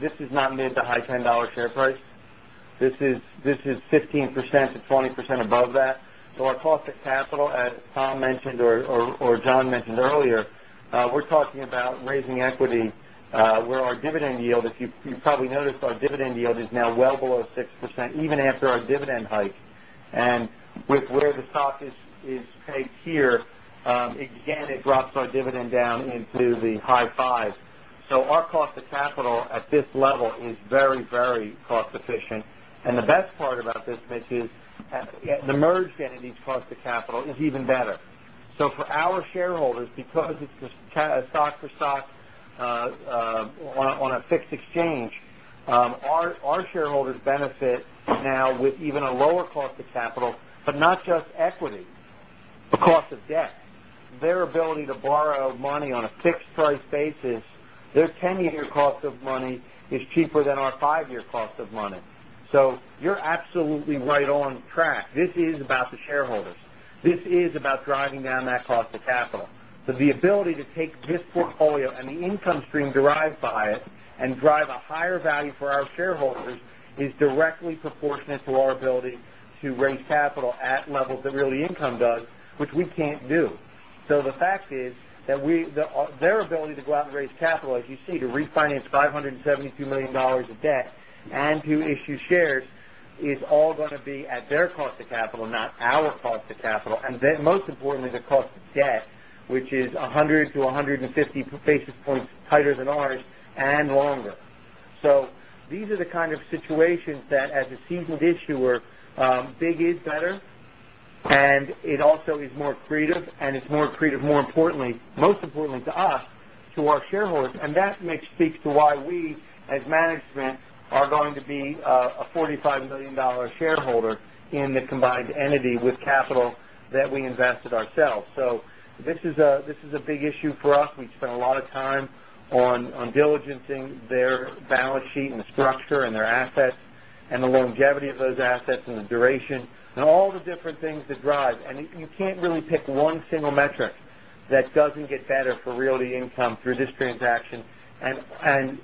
This is not mid-to-high $10 share price. This is 15%-20% above that. Our cost of capital, as Tom mentioned or John mentioned earlier, we're talking about raising equity where our dividend yield, if you probably noticed, our dividend yield is now well below 6%, even after our dividend hike. With where the stock is paid here, again, it drops our dividend down into the high fives. Our cost of capital at this level is very cost-efficient. The best part about this, Mitch Germain, is the merged entity's cost of capital is even better. For our shareholders, because it's stock for stock on a fixed exchange, our shareholders benefit now with even a lower cost of capital, but not just equity, the cost of debt. Their ability to borrow money on a fixed-price basis, their 10-year cost of money is cheaper than our 5-year cost of money. You're absolutely right on track. This is about the shareholders. This is about driving down that cost of capital. The ability to take this portfolio and the income stream derived by it and drive a higher value for our shareholders is directly proportionate to our ability to raise capital at levels that Realty Income Corporation does, which we can't do. The fact is that their ability to go out and raise capital, as you see, to refinance $572 million of debt and to issue shares, is all going to be at their cost of capital, not our cost of capital. Most importantly, the cost of debt, which is 100-150 basis points tighter than ours and longer. These are the kind of situations that as a seasoned issuer, big is better, and it also is more accretive, most importantly to us, to our shareholders. That, Mitch Germain, speaks to why we, as management, are going to be a $45 million shareholder in the combined entity with capital that we invested ourselves. This is a big issue for us. We've spent a lot of time on diligencing their balance sheet and the structure and their assets and the longevity of those assets and the duration and all the different things that drive. You can't really pick one single metric that doesn't get better for Realty Income Corporation through this transaction.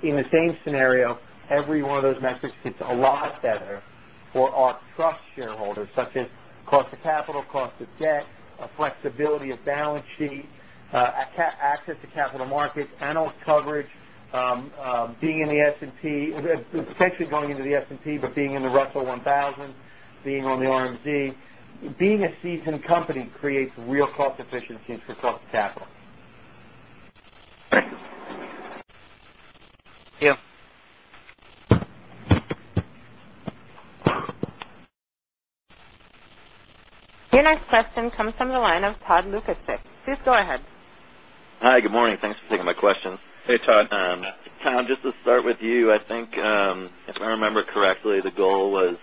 In the same scenario, every one of those metrics gets a lot better for our trust shareholders, such as cost of capital, cost of debt, flexibility of balance sheet, access to capital markets, analyst coverage, being in the S&P, potentially going into the S&P, but being in the Russell 1000, being on the RMZ. Being a seasoned company creates real cost efficiencies for cost of capital. Thank you. Your next question comes from the line of Todd Lukasik. Please go ahead. Hi, good morning. Thanks for taking my question. Hey, Todd. Tom, just to start with you, I think, if I remember correctly, the goal was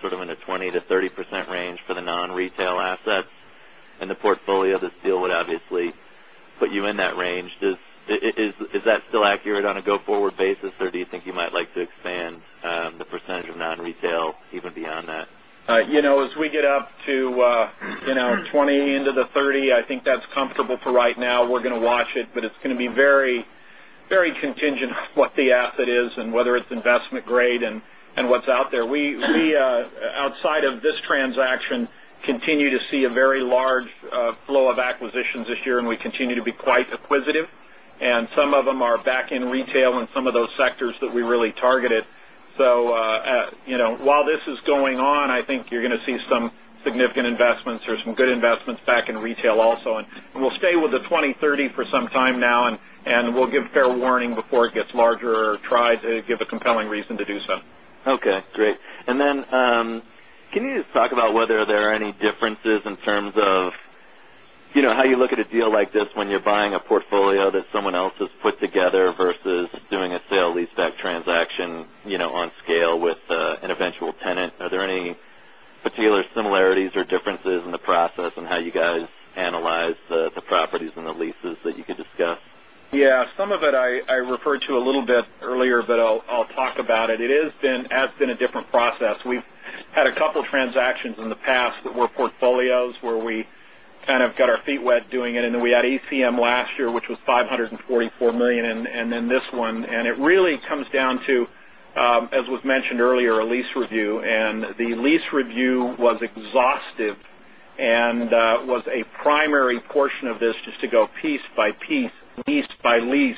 sort of in the 20%-30% range for the non-retail assets in the portfolio. This deal would obviously put you in that range. Is that still accurate on a go-forward basis, or do you think you might like to expand the percentage of non-retail even beyond that? As we get up to 20% into the 30%, I think that's comfortable for right now. We're going to watch it, but it's going to be very contingent on what the asset is and whether it's investment-grade and what's out there. We, outside of this transaction, continue to see a very large flow of acquisitions this year, and we continue to be quite acquisitive. Some of them are back in retail and some of those sectors that we really targeted. While this is going on, I think you're going to see some significant investments or some good investments back in retail also. We'll stay with the 20%-30% for some time now, and we'll give fair warning before it gets larger or try to give a compelling reason to do so. Okay, great. Can you just talk about whether there are any differences in terms of how you look at a deal like this when you're buying a portfolio that someone else has put together versus doing a sale leaseback transaction on scale with an eventual tenant? Are there any particular similarities or differences in the process and how you guys analyze the properties and the leases that you could discuss? Yeah. Some of it I referred to a little bit earlier, but I'll talk about it. It has been a different process. We've had a couple of transactions in the past that were portfolios where we kind of got our feet wet doing it, then we had CIM last year, which was $544 million, then this one. It really comes down to, as was mentioned earlier, a lease review. The lease review was exhaustive and was a primary portion of this, just to go piece by piece, lease by lease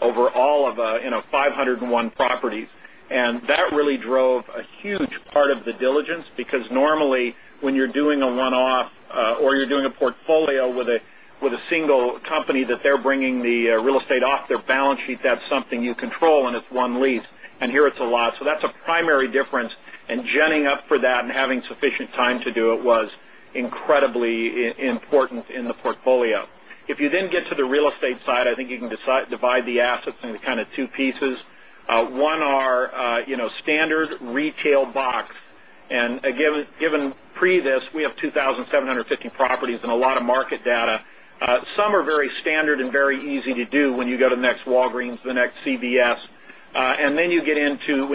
over all of 501 properties. That really drove a huge part of the diligence because normally when you're doing a one-off or you're doing a portfolio with a single company that they're bringing the real estate off their balance sheet, that's something you control, and it's one lease. Here it's a lot. That's a primary difference. Genning up for that and having sufficient time to do it was incredibly important in the portfolio. You can divide the assets into kind of two pieces. One are standard retail box. Given pre this, we have 2,750 properties and a lot of market data. Some are very standard and very easy to do when you go to the next Walgreens, the next CVS. When you get into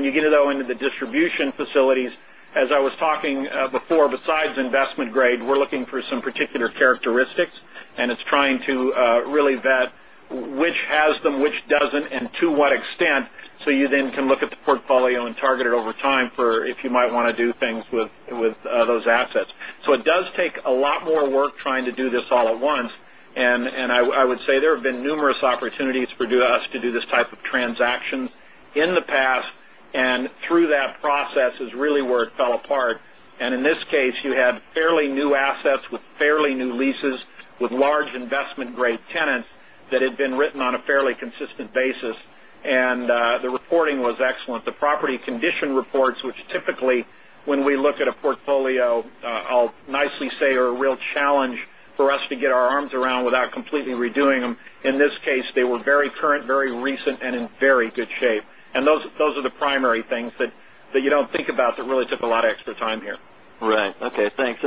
the distribution facilities, as I was talking before, besides investment grade, we're looking for some particular characteristics, and it's trying to really vet which has them, which doesn't, and to what extent, so you then can look at the portfolio and target it over time for if you might want to do things with those assets. It does take a lot more work trying to do this all at once. I would say there have been numerous opportunities for us to do this type of transaction in the past, and through that process is really where it fell apart. In this case, you had fairly new assets with fairly new leases, with large investment-grade tenants that had been written on a fairly consistent basis. The reporting was excellent. The property condition reports, which typically, when we look at a portfolio, I'll nicely say, are a real challenge for us to get our arms around without completely redoing them. In this case, they were very current, very recent, and in very good shape. Those are the primary things that you don't think about that really took a lot of extra time here. Right. Okay, thanks.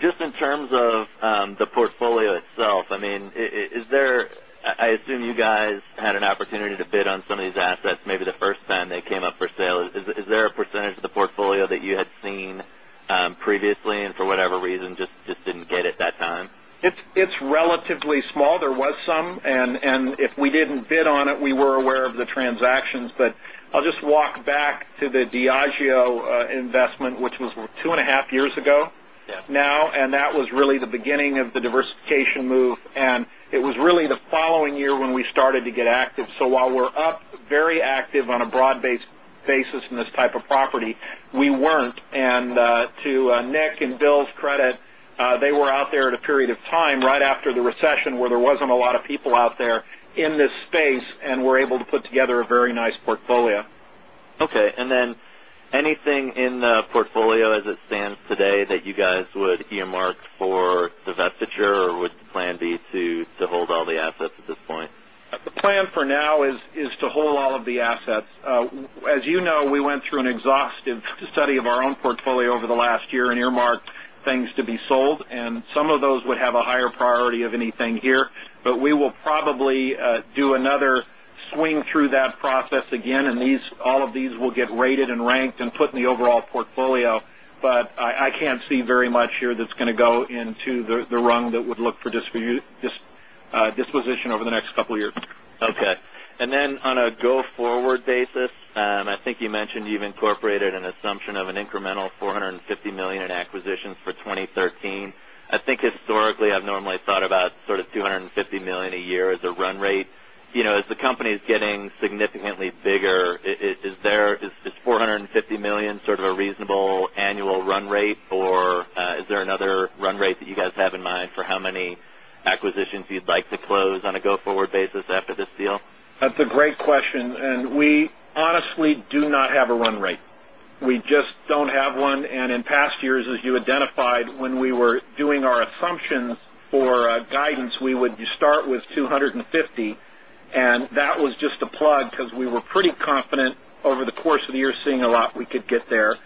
Just in terms of the portfolio itself, I assume you guys had an opportunity to bid on some of these assets, maybe the first time they came up for sale. Is there a percentage of the portfolio that you had seen previously and for whatever reason, just didn't get it that time? It's relatively small. There was some, and if we didn't bid on it, we were aware of the transactions. I'll just walk back to the Diageo investment, which was two and a half years ago now, and that was really the beginning of the diversification move. It was really the following year when we started to get active. While we're up, very active on a broad-based basis in this type of property, we weren't. To Nick and Bill's credit, they were out there at a period of time right after the recession where there wasn't a lot of people out there in this space and were able to put together a very nice portfolio. Okay. Anything in the portfolio as it stands today that you guys would earmark for divestiture or would the plan be to hold all the assets at this point? The plan for now is to hold all of the assets. As you know, we went through an exhaustive study of our own portfolio over the last year and earmarked things to be sold, and some of those would have a higher priority of anything here. We will probably do another swing through that process again, and all of these will get rated and ranked and put in the overall portfolio. I can't see very much here that's going to go into the rung that would look for disposition over the next couple of years. Okay. On a go-forward basis, I think you mentioned you've incorporated an assumption of an incremental $450 million in acquisitions for 2013. I think historically, I've normally thought about sort of $250 million a year as a run rate. As the company is getting significantly bigger, is $450 million sort of a reasonable annual run rate, or is there another run rate that you guys have in mind for how many acquisitions you'd like to close on a go-forward basis after this deal? That's a great question. We honestly do not have a run rate. We just don't have one. In past years, as you identified, when we were doing our assumptions for guidance, we would start with $250, and that was just a plug because we were pretty confident over the course of the year, seeing a lot we could get there.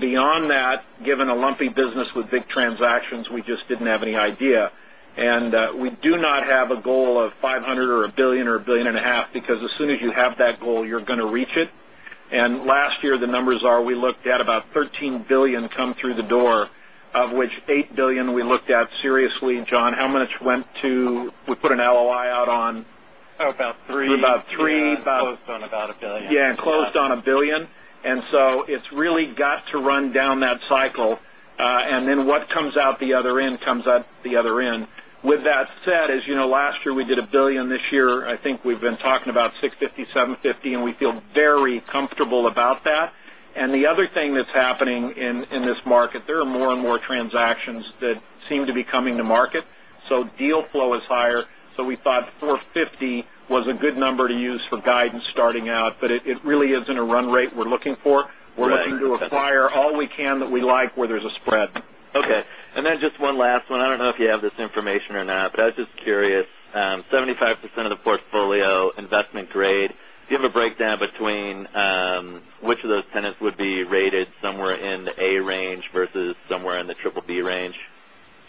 Beyond that, given a lumpy business with big transactions, we just didn't have any idea. We do not have a goal of $500 or $1 billion or $1.5 billion, because as soon as you have that goal, you're going to reach it. Last year, the numbers are, we looked at about $13 billion come through the door, of which $8 billion we looked at seriously. John, how much went to We put an LOI out on- About three. About three. Closed on about $1 billion. Yeah, closed on $1 billion. It's really got to run down that cycle. What comes out the other end comes out the other end. With that said, as you know, last year we did $1 billion. This year, I think we've been talking about $650 million-$750 million, we feel very comfortable about that. The other thing that's happening in this market, there are more and more transactions that seem to be coming to market. Deal flow is higher. We thought $450 million was a good number to use for guidance starting out. It really isn't a run rate we're looking for. We're looking to acquire all we can that we like where there's a spread. Okay. Just one last one. I don't know if you have this information or not, but I was just curious. 75% of the portfolio investment grade. Do you have a breakdown between which of those tenants would be rated somewhere in the A range versus somewhere in the triple B range?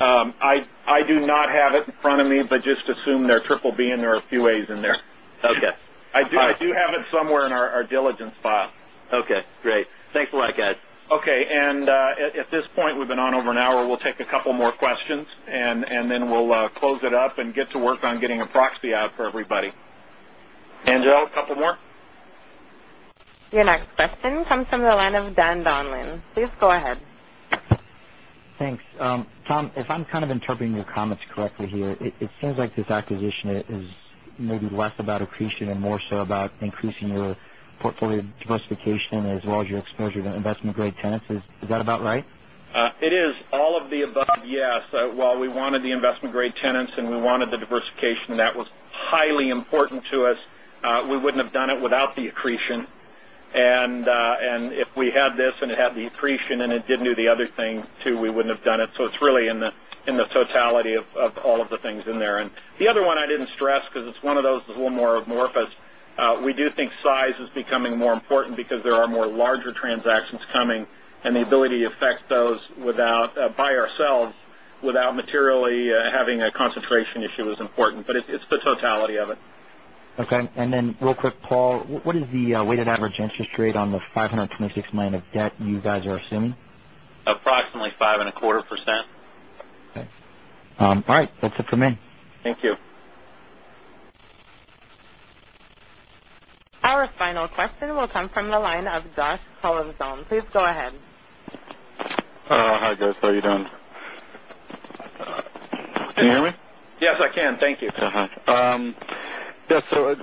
I do not have it in front of me, but just assume they're triple B and there are a few As in there. Okay. I do have it somewhere in our diligence file. Okay, great. Thanks a lot, guys. Okay. At this point, we've been on over an hour. We'll take a couple more questions, then we'll close it up and get to work on getting a proxy out for everybody. Angelo, a couple more? Your next question comes from the line of Dan Donlin. Please go ahead. Thanks. Tom, if I'm kind of interpreting your comments correctly here, it seems like this acquisition is maybe less about accretion and more so about increasing your portfolio diversification as well as your exposure to investment-grade tenants. Is that about right? It is all of the above, yes. While we wanted the investment-grade tenants, we wanted the diversification, that was highly important to us. We wouldn't have done it without the accretion. If we had this and it had the accretion and it didn't do the other thing too, we wouldn't have done it. It's really in the totality of all of the things in there. The other one I didn't stress because it's one of those that's a little more amorphous. We do think size is becoming more important because there are more larger transactions coming, and the ability to affect those by ourselves without materially having a concentration issue is important. It's the totality of it. Okay. Paul, what is the weighted average interest rate on the $526 million of debt you guys are assuming? Approximately 5.25%. Okay. All right, that's it for me. Thank you. Our final question will come from the line of Josh Cohen-Stone. Please go ahead. Hi, guys. How are you doing? Can you hear me? Yes, I can. Thank you. Yeah,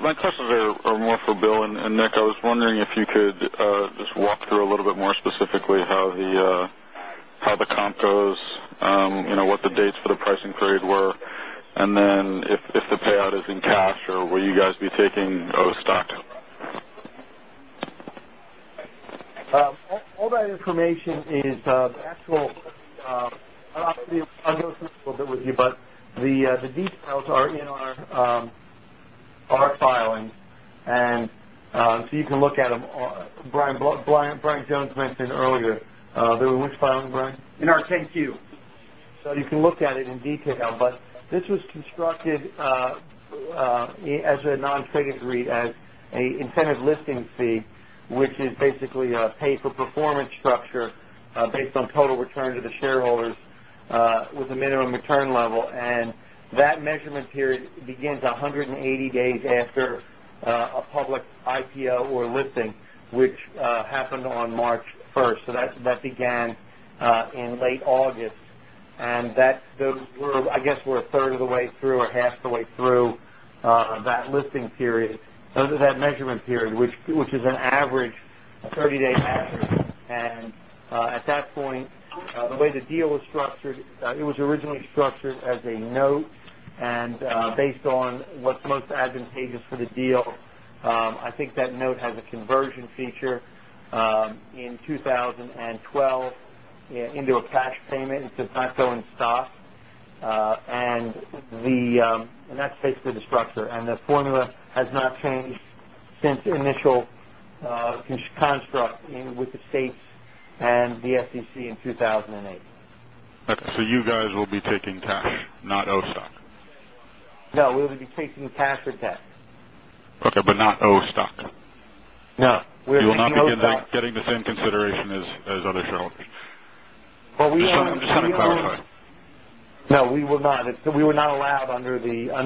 my questions are more for Bill and Nick. I was wondering if you could just walk through a little bit more specifically how the comp goes, what the dates for the pricing period were, and then if the payout is in cash, or will you guys be taking O stock? All that information is the actual. I'll go through it a little bit with you, but the details are in our filing. You can look at them. Brian Jones mentioned earlier. They were which filing, Brian? In our 10-Q. You can look at it in detail, but this was constructed as a non-trades REIT, as an incentive listing fee, which is basically a pay-for-performance structure based on total return to the shareholders with a minimum return level. That measurement period begins 180 days after a public IPO or listing, which happened on March 1st. That began in late August. I guess we're a third of the way through or half the way through that listing period. Those are that measurement period, which is a 30-day average. At that point, the way the deal was structured, it was originally structured as a note, and based on what's most advantageous for the deal, I think that note has a conversion feature in 2012 into a cash payment. It does not go in stock. That's basically the structure. The formula has not changed since initial construct with the states and the SEC in 2008. Okay, you guys will be taking cash, not O stock. No, we would be taking cash or debt. Okay, not O stock. No. We are taking cash. You will not be getting the same consideration as other shareholders. Well. Just trying to clarify. No, we will not. Okay. Under the- I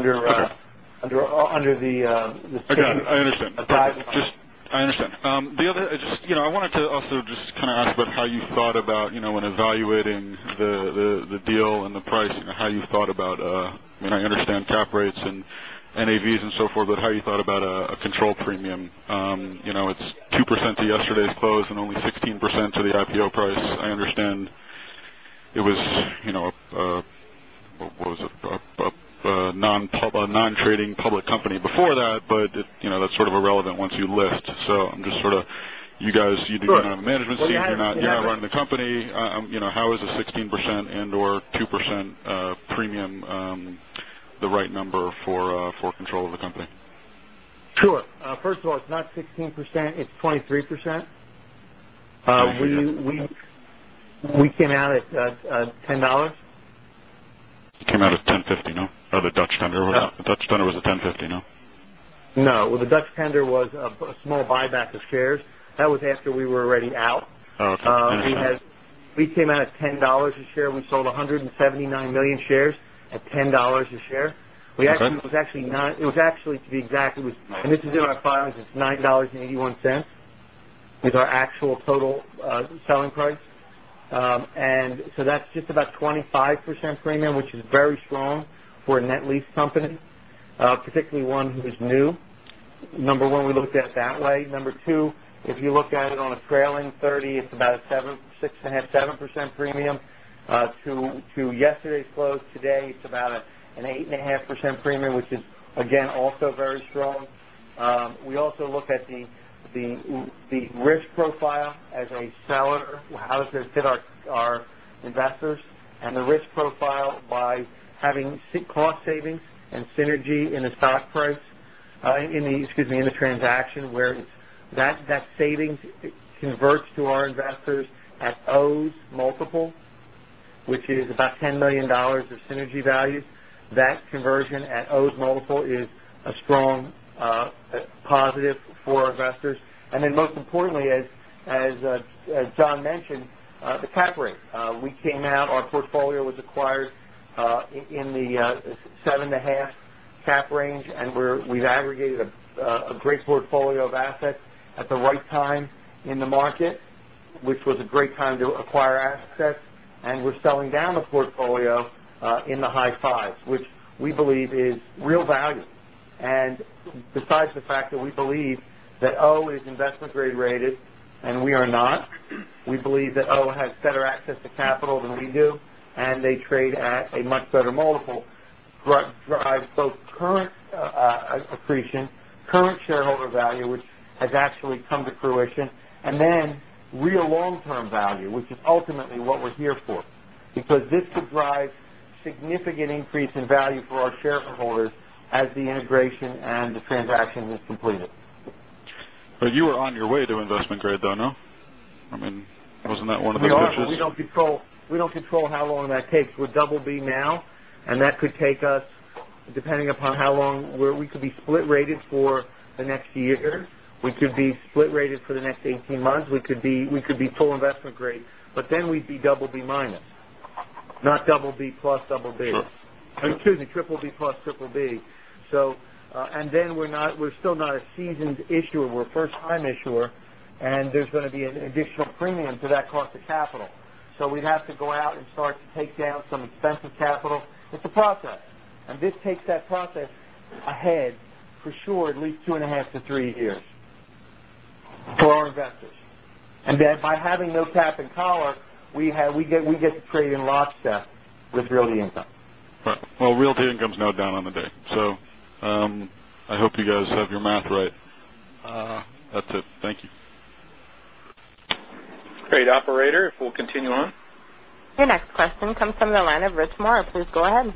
got it. I understand. Private filing. I understand. I wanted to also just kind of ask about how you thought about when evaluating the deal and the price, how you thought about I understand cap rates and NAVs and so forth, but how you thought about a control premium. It's 2% to yesterday's close and only 16% to the IPO price. I understand it was, what was it? A non-trading public company before that, but that's sort of irrelevant once you list. I'm just sort of. Sure. You do not have a management team. You're not running the company. How is the 16% and/or 2% premium the right number for control of the company? Sure. First of all, it's not 16%, it's 23%. I see. We came out at $10. You came out at $10.50, no? Or the Dutch tender was. No. The Dutch tender was at $10.50, no? No, the Dutch tender was a small buyback of shares. That was after we were already out. Oh, okay. I understand. We came out at $10 a share. We sold 179 million shares at $10 a share. Okay. It was actually, to be exact, this is in our filings, it's $9.81, our actual total selling price. That's just about 25% premium, which is very strong for a net lease company, particularly one who is new. Number one, we looked at it that way. Number two, if you look at it on a trailing 30, it's about a 6.5%-7% premium to yesterday's close. Today, it's about an 8.5% premium, which is, again, also very strong. We also look at the risk profile as a seller. How does this fit our investors? The risk profile by having cost savings and synergy in the stock price, excuse me, in the transaction where that savings converts to our investors at O's multiple, which is about $10 million of synergy value. That conversion at O's multiple is a strong positive for our investors. Most importantly, as John mentioned, the cap rate. We came out. Our portfolio was acquired in the 7.5% cap range, and we've aggregated a great portfolio of assets at the right time in the market, which was a great time to acquire assets. We're selling down the portfolio in the high fives, which we believe is real value. Besides the fact that we believe that O is investment grade-rated, and we are not, we believe that O has better access to capital than we do, and they trade at a much better multiple, drives both current accretion, current shareholder value, which has actually come to fruition, and then real long-term value, which is ultimately what we're here for. This could drive significant increase in value for our shareholders as the integration and the transaction is completed. You were on your way to investment grade, though, no? Wasn't that one of the wishes? We are, but we don't control how long that takes. We're double B now. That could take us, depending upon how long, where we could be split-rated for the next year. We could be split-rated for the next 18 months. We could be full investment grade, but then we'd be double B minus, not double B, plus double B. Sure. Excuse me, triple B plus triple B. We're still not a seasoned issuer. We're a first-time issuer, and there's going to be an additional premium to that cost of capital. We'd have to go out and start to take down some expensive capital. It's a process, and this takes that process ahead for sure at least two and a half to three years for our investors. By having no cap and collar, we get to trade in lockstep with Realty Income. Right. Realty Income's now down on the day, I hope you guys have your math right. That's it. Thank you. Great. Operator, if we'll continue on. Your next question comes from the line of Rich Morris. Please go ahead.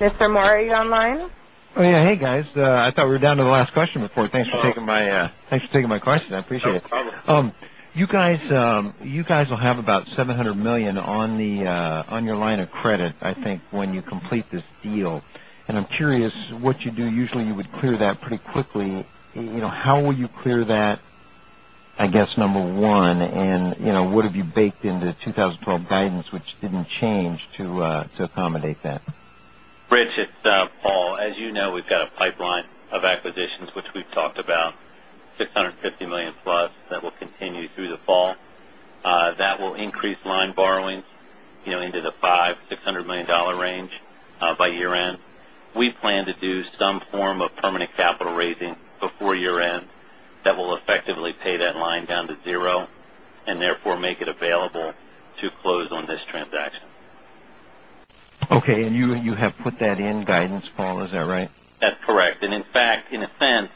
Mr. Morris, are you online? Oh, yeah. Hey, guys. I thought we were down to the last question before. Thanks for taking my question. I appreciate it. No problem. You guys will have about $700 million on your line of credit, I think, when you complete this deal. I'm curious what you do. Usually, you would clear that pretty quickly. How will you clear that, I guess number one, and what have you baked into 2012 guidance which didn't change to accommodate that? Rich, it's Paul. As you know, we've got a pipeline of acquisitions, which we've talked about, $650 million+ that will continue through the fall. That will increase line borrowings into the $500 million-$600 million range by year-end. We plan to do some form of permanent capital raising before year-end that will effectively pay that line down to zero and therefore make it available to close on this transaction. Okay, you have put that in guidance, Paul, is that right? That's correct. In fact, in a sense,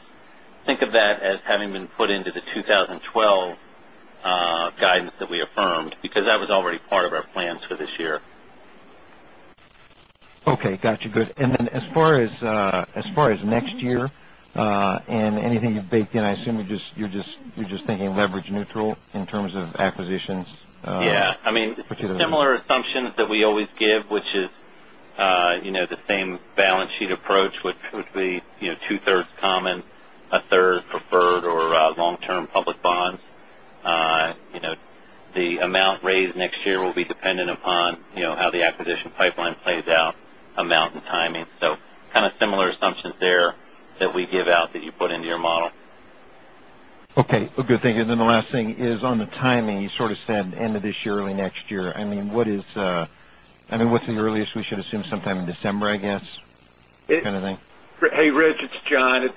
think of that as having been put into the 2012 guidance that we affirmed because that was already part of our plans for this year. Okay, got you. Good. Then as far as next year, and anything you've baked in, I assume you're just thinking leverage neutral in terms of acquisitions. Yeah. -particularly- Similar assumptions that we always give, which is the same balance sheet approach, which would be two-thirds common, a third preferred or long-term public bonds. The amount raised next year will be dependent upon how the acquisition pipeline plays out, amount, and timing. Kind of similar assumptions there that we give out that you put into your model. Okay, good. Thank you. The last thing is on the timing. You sort of said end of this year, early next year. What's the earliest we should assume? Sometime in December, I guess, kind of thing? Hey, Rich, it's John.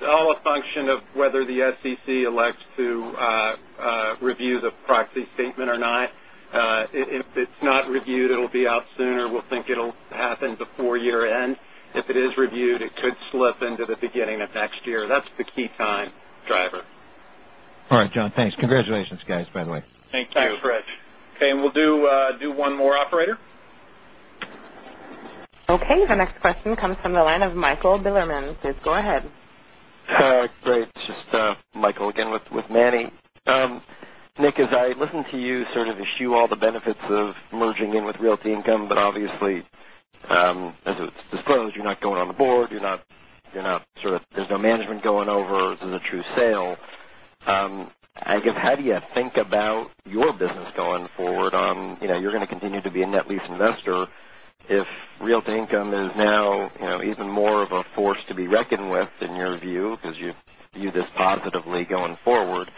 It's all a function of whether the SEC elects to review the proxy statement or not. If it's not reviewed, it'll be out sooner. We'll think it'll happen before year-end. If it is reviewed, it could slip into the beginning of next year. That's the key time driver. All right, John, thanks. Congratulations, guys, by the way. Thank you. Thanks, Rich. Okay. We'll do one more, operator. Okay, the next question comes from the line of Michael Bilerman. Please go ahead. Great. Just Michael again with Manny. Nick, as I listen to you sort of eschew all the benefits of merging in with Realty Income, but obviously, as it was disclosed, you're not going on the board, there's no management going over. This is a true sale. I guess, how do you think about your business going forward? You're going to continue to be a net lease investor if Realty Income is now even more of a force to be reckoned with, in your view, because you view this positively going forward.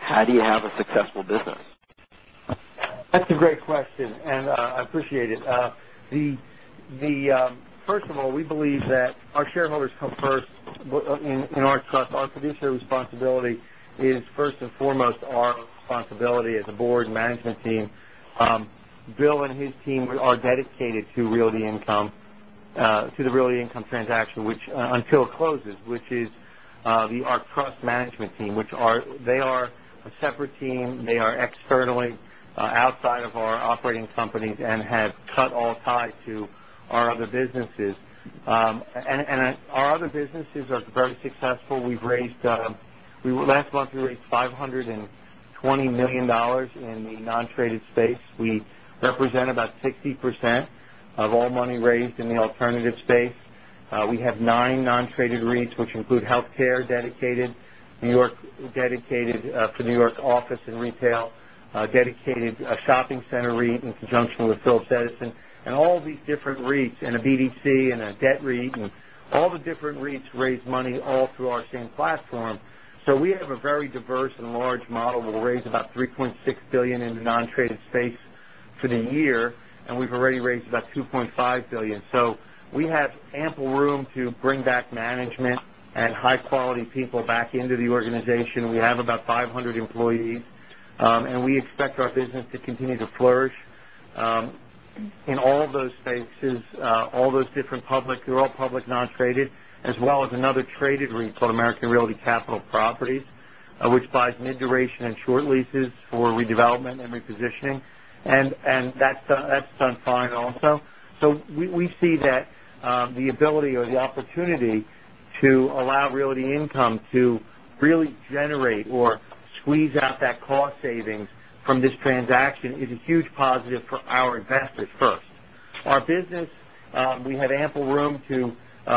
How do you have a successful business? That's a great question, and I appreciate it. First of all, we believe that our shareholders come first in our trust. Our fiduciary responsibility is first and foremost our responsibility as a board and management team. Bill and his team are dedicated to the Realty Income transaction, which until it closes, which is our trust management team, they are a separate team. They are externally outside of our operating companies and have cut all ties to our other businesses. Our other businesses are very successful. Last month, we raised $520 million in the non-traded space. We represent about 60% of all money raised in the alternative space. We have nine non-traded REITs, which include healthcare dedicated for New York office and retail, a dedicated shopping center REIT in conjunction with Phillips Edison, and all these different REITs, and a BDC, and a debt REIT, and all the different REITs raise money all through our same platform. We have a very diverse and large model. We'll raise about $3.6 billion in the non-traded space for the year, and we've already raised about $2.5 billion. We have ample room to bring back management and high-quality people back into the organization. We have about 500 employees. We expect our business to continue to flourish, in all those spaces, all those different public, they're all public non-traded, as well as another traded REIT called American Realty Capital Properties, which buys mid-duration and short leases for redevelopment and repositioning. That's done fine also. We see that the ability or the opportunity to allow Realty Income to really generate or squeeze out that cost savings from this transaction is a huge positive for our investors first. Our business, we have ample room to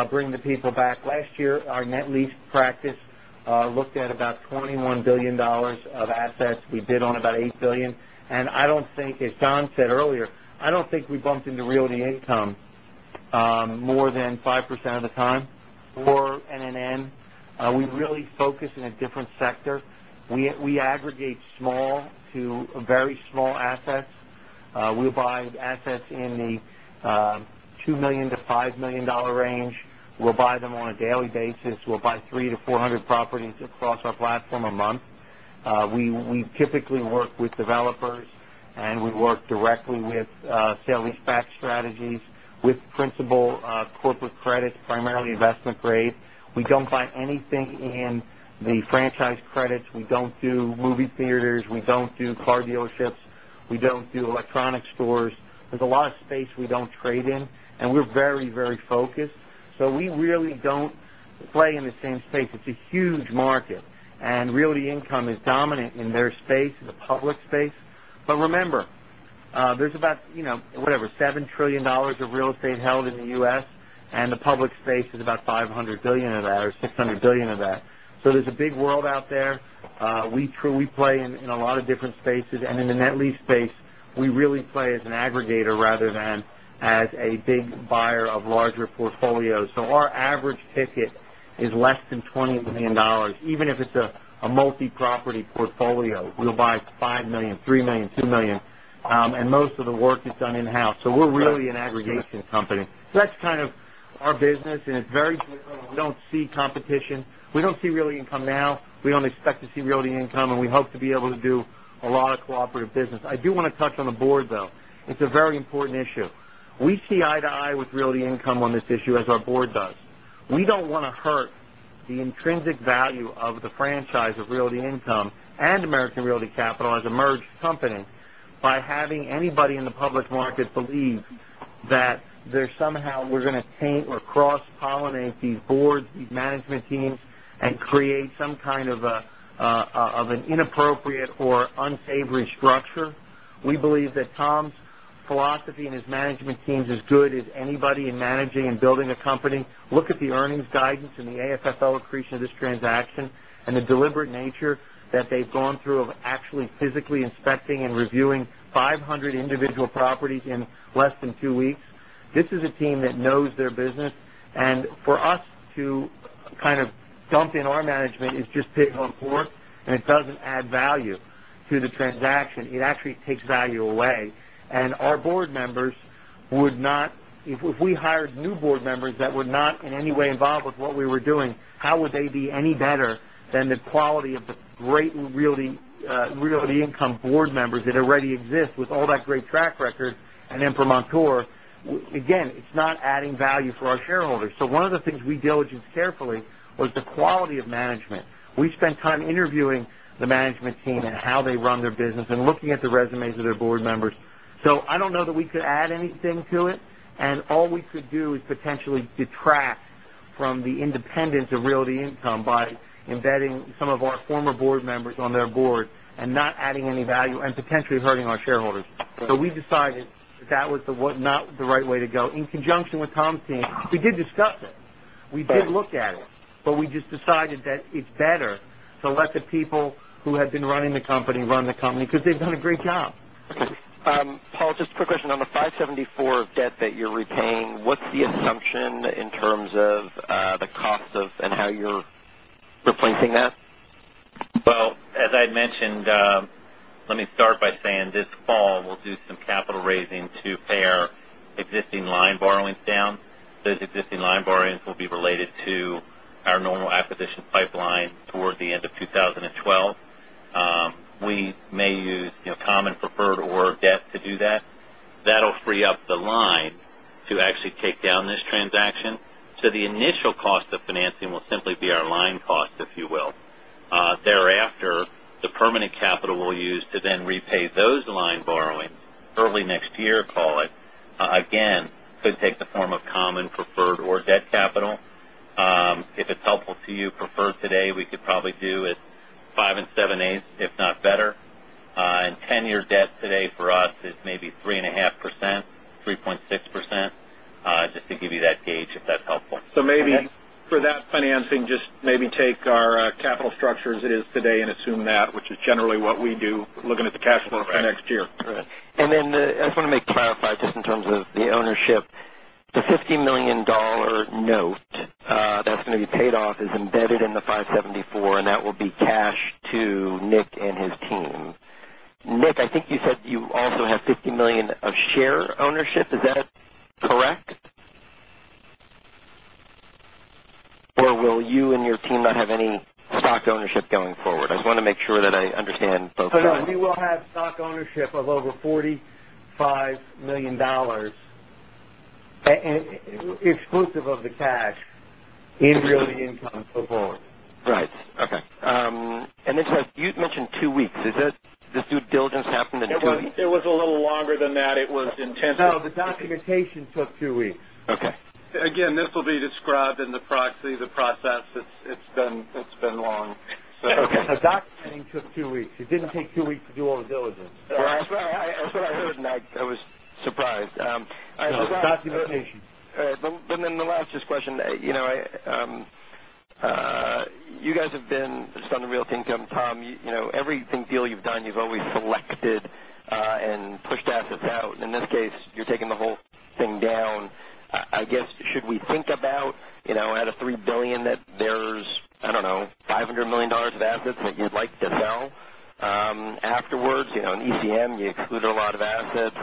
bring the people back. Last year, our net lease practice looked at about $21 billion of assets. We bid on about $8 billion. I don't think, as John said earlier, I don't think we bumped into Realty Income more than 5% of the time for NNN. We really focus in a different sector. We aggregate small to very small assets. We buy assets in the $2 million-$5 million range. We'll buy them on a daily basis. We'll buy 300-400 properties across our platform a month. We typically work with developers, and we work directly with sale-leaseback strategies with principal corporate credits, primarily investment grade. We don't buy anything in the franchise credits. We don't do movie theaters. We don't do car dealerships. We don't do electronic stores. There's a lot of space we don't trade in, and we're very focused. We really don't play in the same space. It's a huge market, and Realty Income is dominant in their space, the public space. Remember, there's about $7 trillion of real estate held in the U.S., and the public space is about $500 billion of that or $600 billion of that. There's a big world out there. We truly play in a lot of different spaces, and in the net lease space, we really play as an aggregator rather than as a big buyer of larger portfolios. Our average ticket is less than $20 million. Even if it's a multi-property portfolio, we'll buy $5 million, $3 million, $2 million, and most of the work is done in-house. We're really an aggregation company. That's kind of our business, and we don't see competition. We don't see Realty Income now. We don't expect to see Realty Income, and we hope to be able to do a lot of cooperative business. I do want to touch on the board, though. It's a very important issue. We see eye to eye with Realty Income on this issue as our board does. We don't want to hurt the intrinsic value of the franchise of Realty Income and American Realty Capital as a merged company by having anybody in the public market believe that they're somehow we're going to taint or cross-pollinate these boards, these management teams, and create some kind of an inappropriate or unsavory structure. We believe that Tom's philosophy and his management team's as good as anybody in managing and building a company. Look at the earnings guidance and the AFFO accretion of this transaction and the deliberate nature that they've gone through of actually physically inspecting and reviewing 500 individual properties in less than two weeks. This is a team that knows their business, and for us to kind of dump in our management is just pig on pork, and it doesn't add value to the transaction. It actually takes value away. Our board members would not if we hired new board members that were not in any way involved with what we were doing, how would they be any better than the quality of the great Realty Income board members that already exist with all that great track record at Empiric Montour? Again, it's not adding value for our shareholders. One of the things we diligence carefully was the quality of management. We spent time interviewing the management team and how they run their business and looking at the resumes of their board members. I don't know that we could add anything to it, and all we could do is potentially detract from the independence of Realty Income by embedding some of our former board members on their board and not adding any value and potentially hurting our shareholders. We decided that was not the right way to go. In conjunction with Tom's team, we did discuss it. We did look at it, we just decided that it's better to let the people who have been running the company run the company, because they've done a great job. Paul, just a quick question. On the $574 of debt that you're repaying, what's the assumption in terms of the cost and how you're replacing that? Well, as I had mentioned, let me start by saying this fall, we'll do some capital raising to pay our existing line borrowings down. Those existing line borrowings will be related to our normal acquisition pipeline towards the end of 2012. We may use common preferred or debt to do that. That'll free up the line to actually take down this transaction. The initial cost of financing will simply be our line cost, if you will. Thereafter, the permanent capital we'll use to then repay those line borrowings early next year, call it, again, could take the form of common preferred or debt capital. If it's helpful to you, preferred today, we could probably do it five and seven eighths, if not better. 10-year debt today for us is maybe 3.5%, 3.6%, just to give you that gauge, if that's helpful. Maybe for that financing, just maybe take our capital structure as it is today and assume that, which is generally what we do, looking at the cash flow for next year. Correct. Then I just want to clarify, just in terms of the ownership, the $50 million note that's going to be paid off is embedded in the $574, and that will be cash to Nick and his team. Nick, I think you said you also have $50 million of share ownership. Is that correct? Or will you and your team not have any stock ownership going forward? I just want to make sure that I understand both sides. We will have stock ownership of over $45 million, exclusive of the cash, in Realty Income going forward. Right. Okay. You mentioned two weeks. This due diligence happened in two weeks? It was a little longer than that. It was intensive. No, the documentation took two weeks. Okay. Again, this will be described in the proxy, the process. It's been long. Okay. The documenting took two weeks. It didn't take two weeks to do all the diligence. Right. That's what I heard, and I was surprised. No, the documentation. All right. The last question. You guys have been just on Realty Income. Tom, every deal you've done, you've always selected and pushed assets out. In this case, you're taking the whole thing down. I guess, should we think about out of $3 billion that there's, I don't know, $500 million of assets that you'd like to sell afterwards? In ECM, you excluded a lot of assets.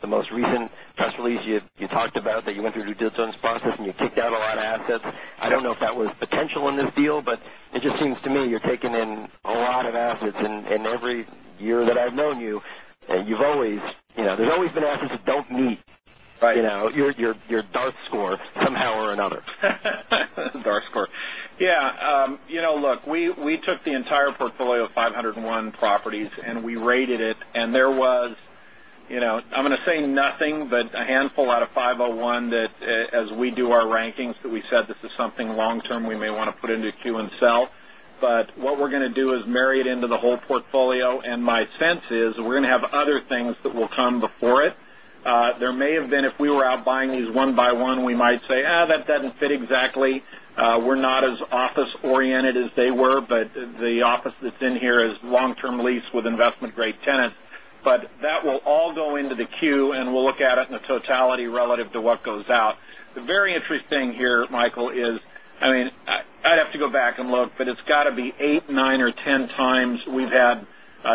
The most recent press release, you talked about that you went through a due diligence process, and you kicked out a lot of assets. I don't know if that was potential in this deal, it just seems to me you're taking in a lot of assets. Every year that I've known you, there's always been assets that don't meet- Right your DART score somehow or another. DART score. Yeah. Look, we took the entire portfolio of 501 properties, we rated it, there was, I'm going to say nothing but a handful out of 501 that, as we do our rankings, that we said, "This is something long-term we may want to put into queue and sell." What we're going to do is marry it into the whole portfolio, my sense is we're going to have other things that will come before it. There may have been, if we were out buying these one by one, we might say, "Eh, that doesn't fit exactly." We're not as office-oriented as they were, the office that's in here is long-term lease with investment-grade tenants. That will all go into the queue, we'll look at it in a totality relative to what goes out. The very interesting thing here, Michael, is, I'd have to go back and look, it's got to be eight, nine, or 10 times we've had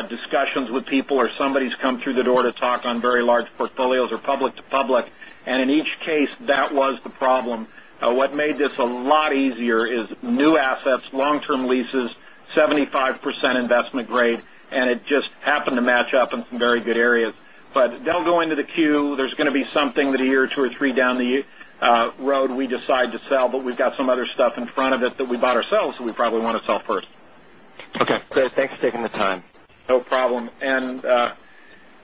discussions with people or somebody's come through the door to talk on very large portfolios or public to public, in each case, that was the problem. What made this a lot easier is new assets, long-term leases, 75% investment grade, it just happened to match up in some very good areas. They'll go into the queue. There's going to be something that a year or two or three down the road we decide to sell, we've got some other stuff in front of it that we bought ourselves that we probably want to sell first. Okay. Great. Thanks for taking the time. No problem.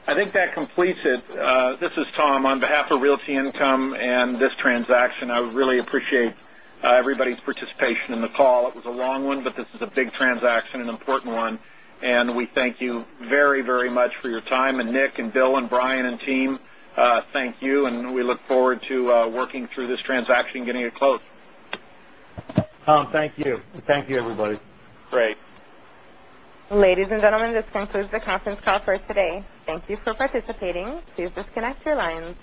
I think that completes it. This is Tom. On behalf of Realty Income and this transaction, I really appreciate everybody's participation in the call. It was a long one, but this is a big transaction, an important one, and we thank you very, very much for your time. Nick and Bill and Brian and team, thank you, and we look forward to working through this transaction and getting it closed. Tom, thank you. Thank you, everybody. Great. Ladies and gentlemen, this concludes the conference call for today. Thank you for participating. Please disconnect your lines.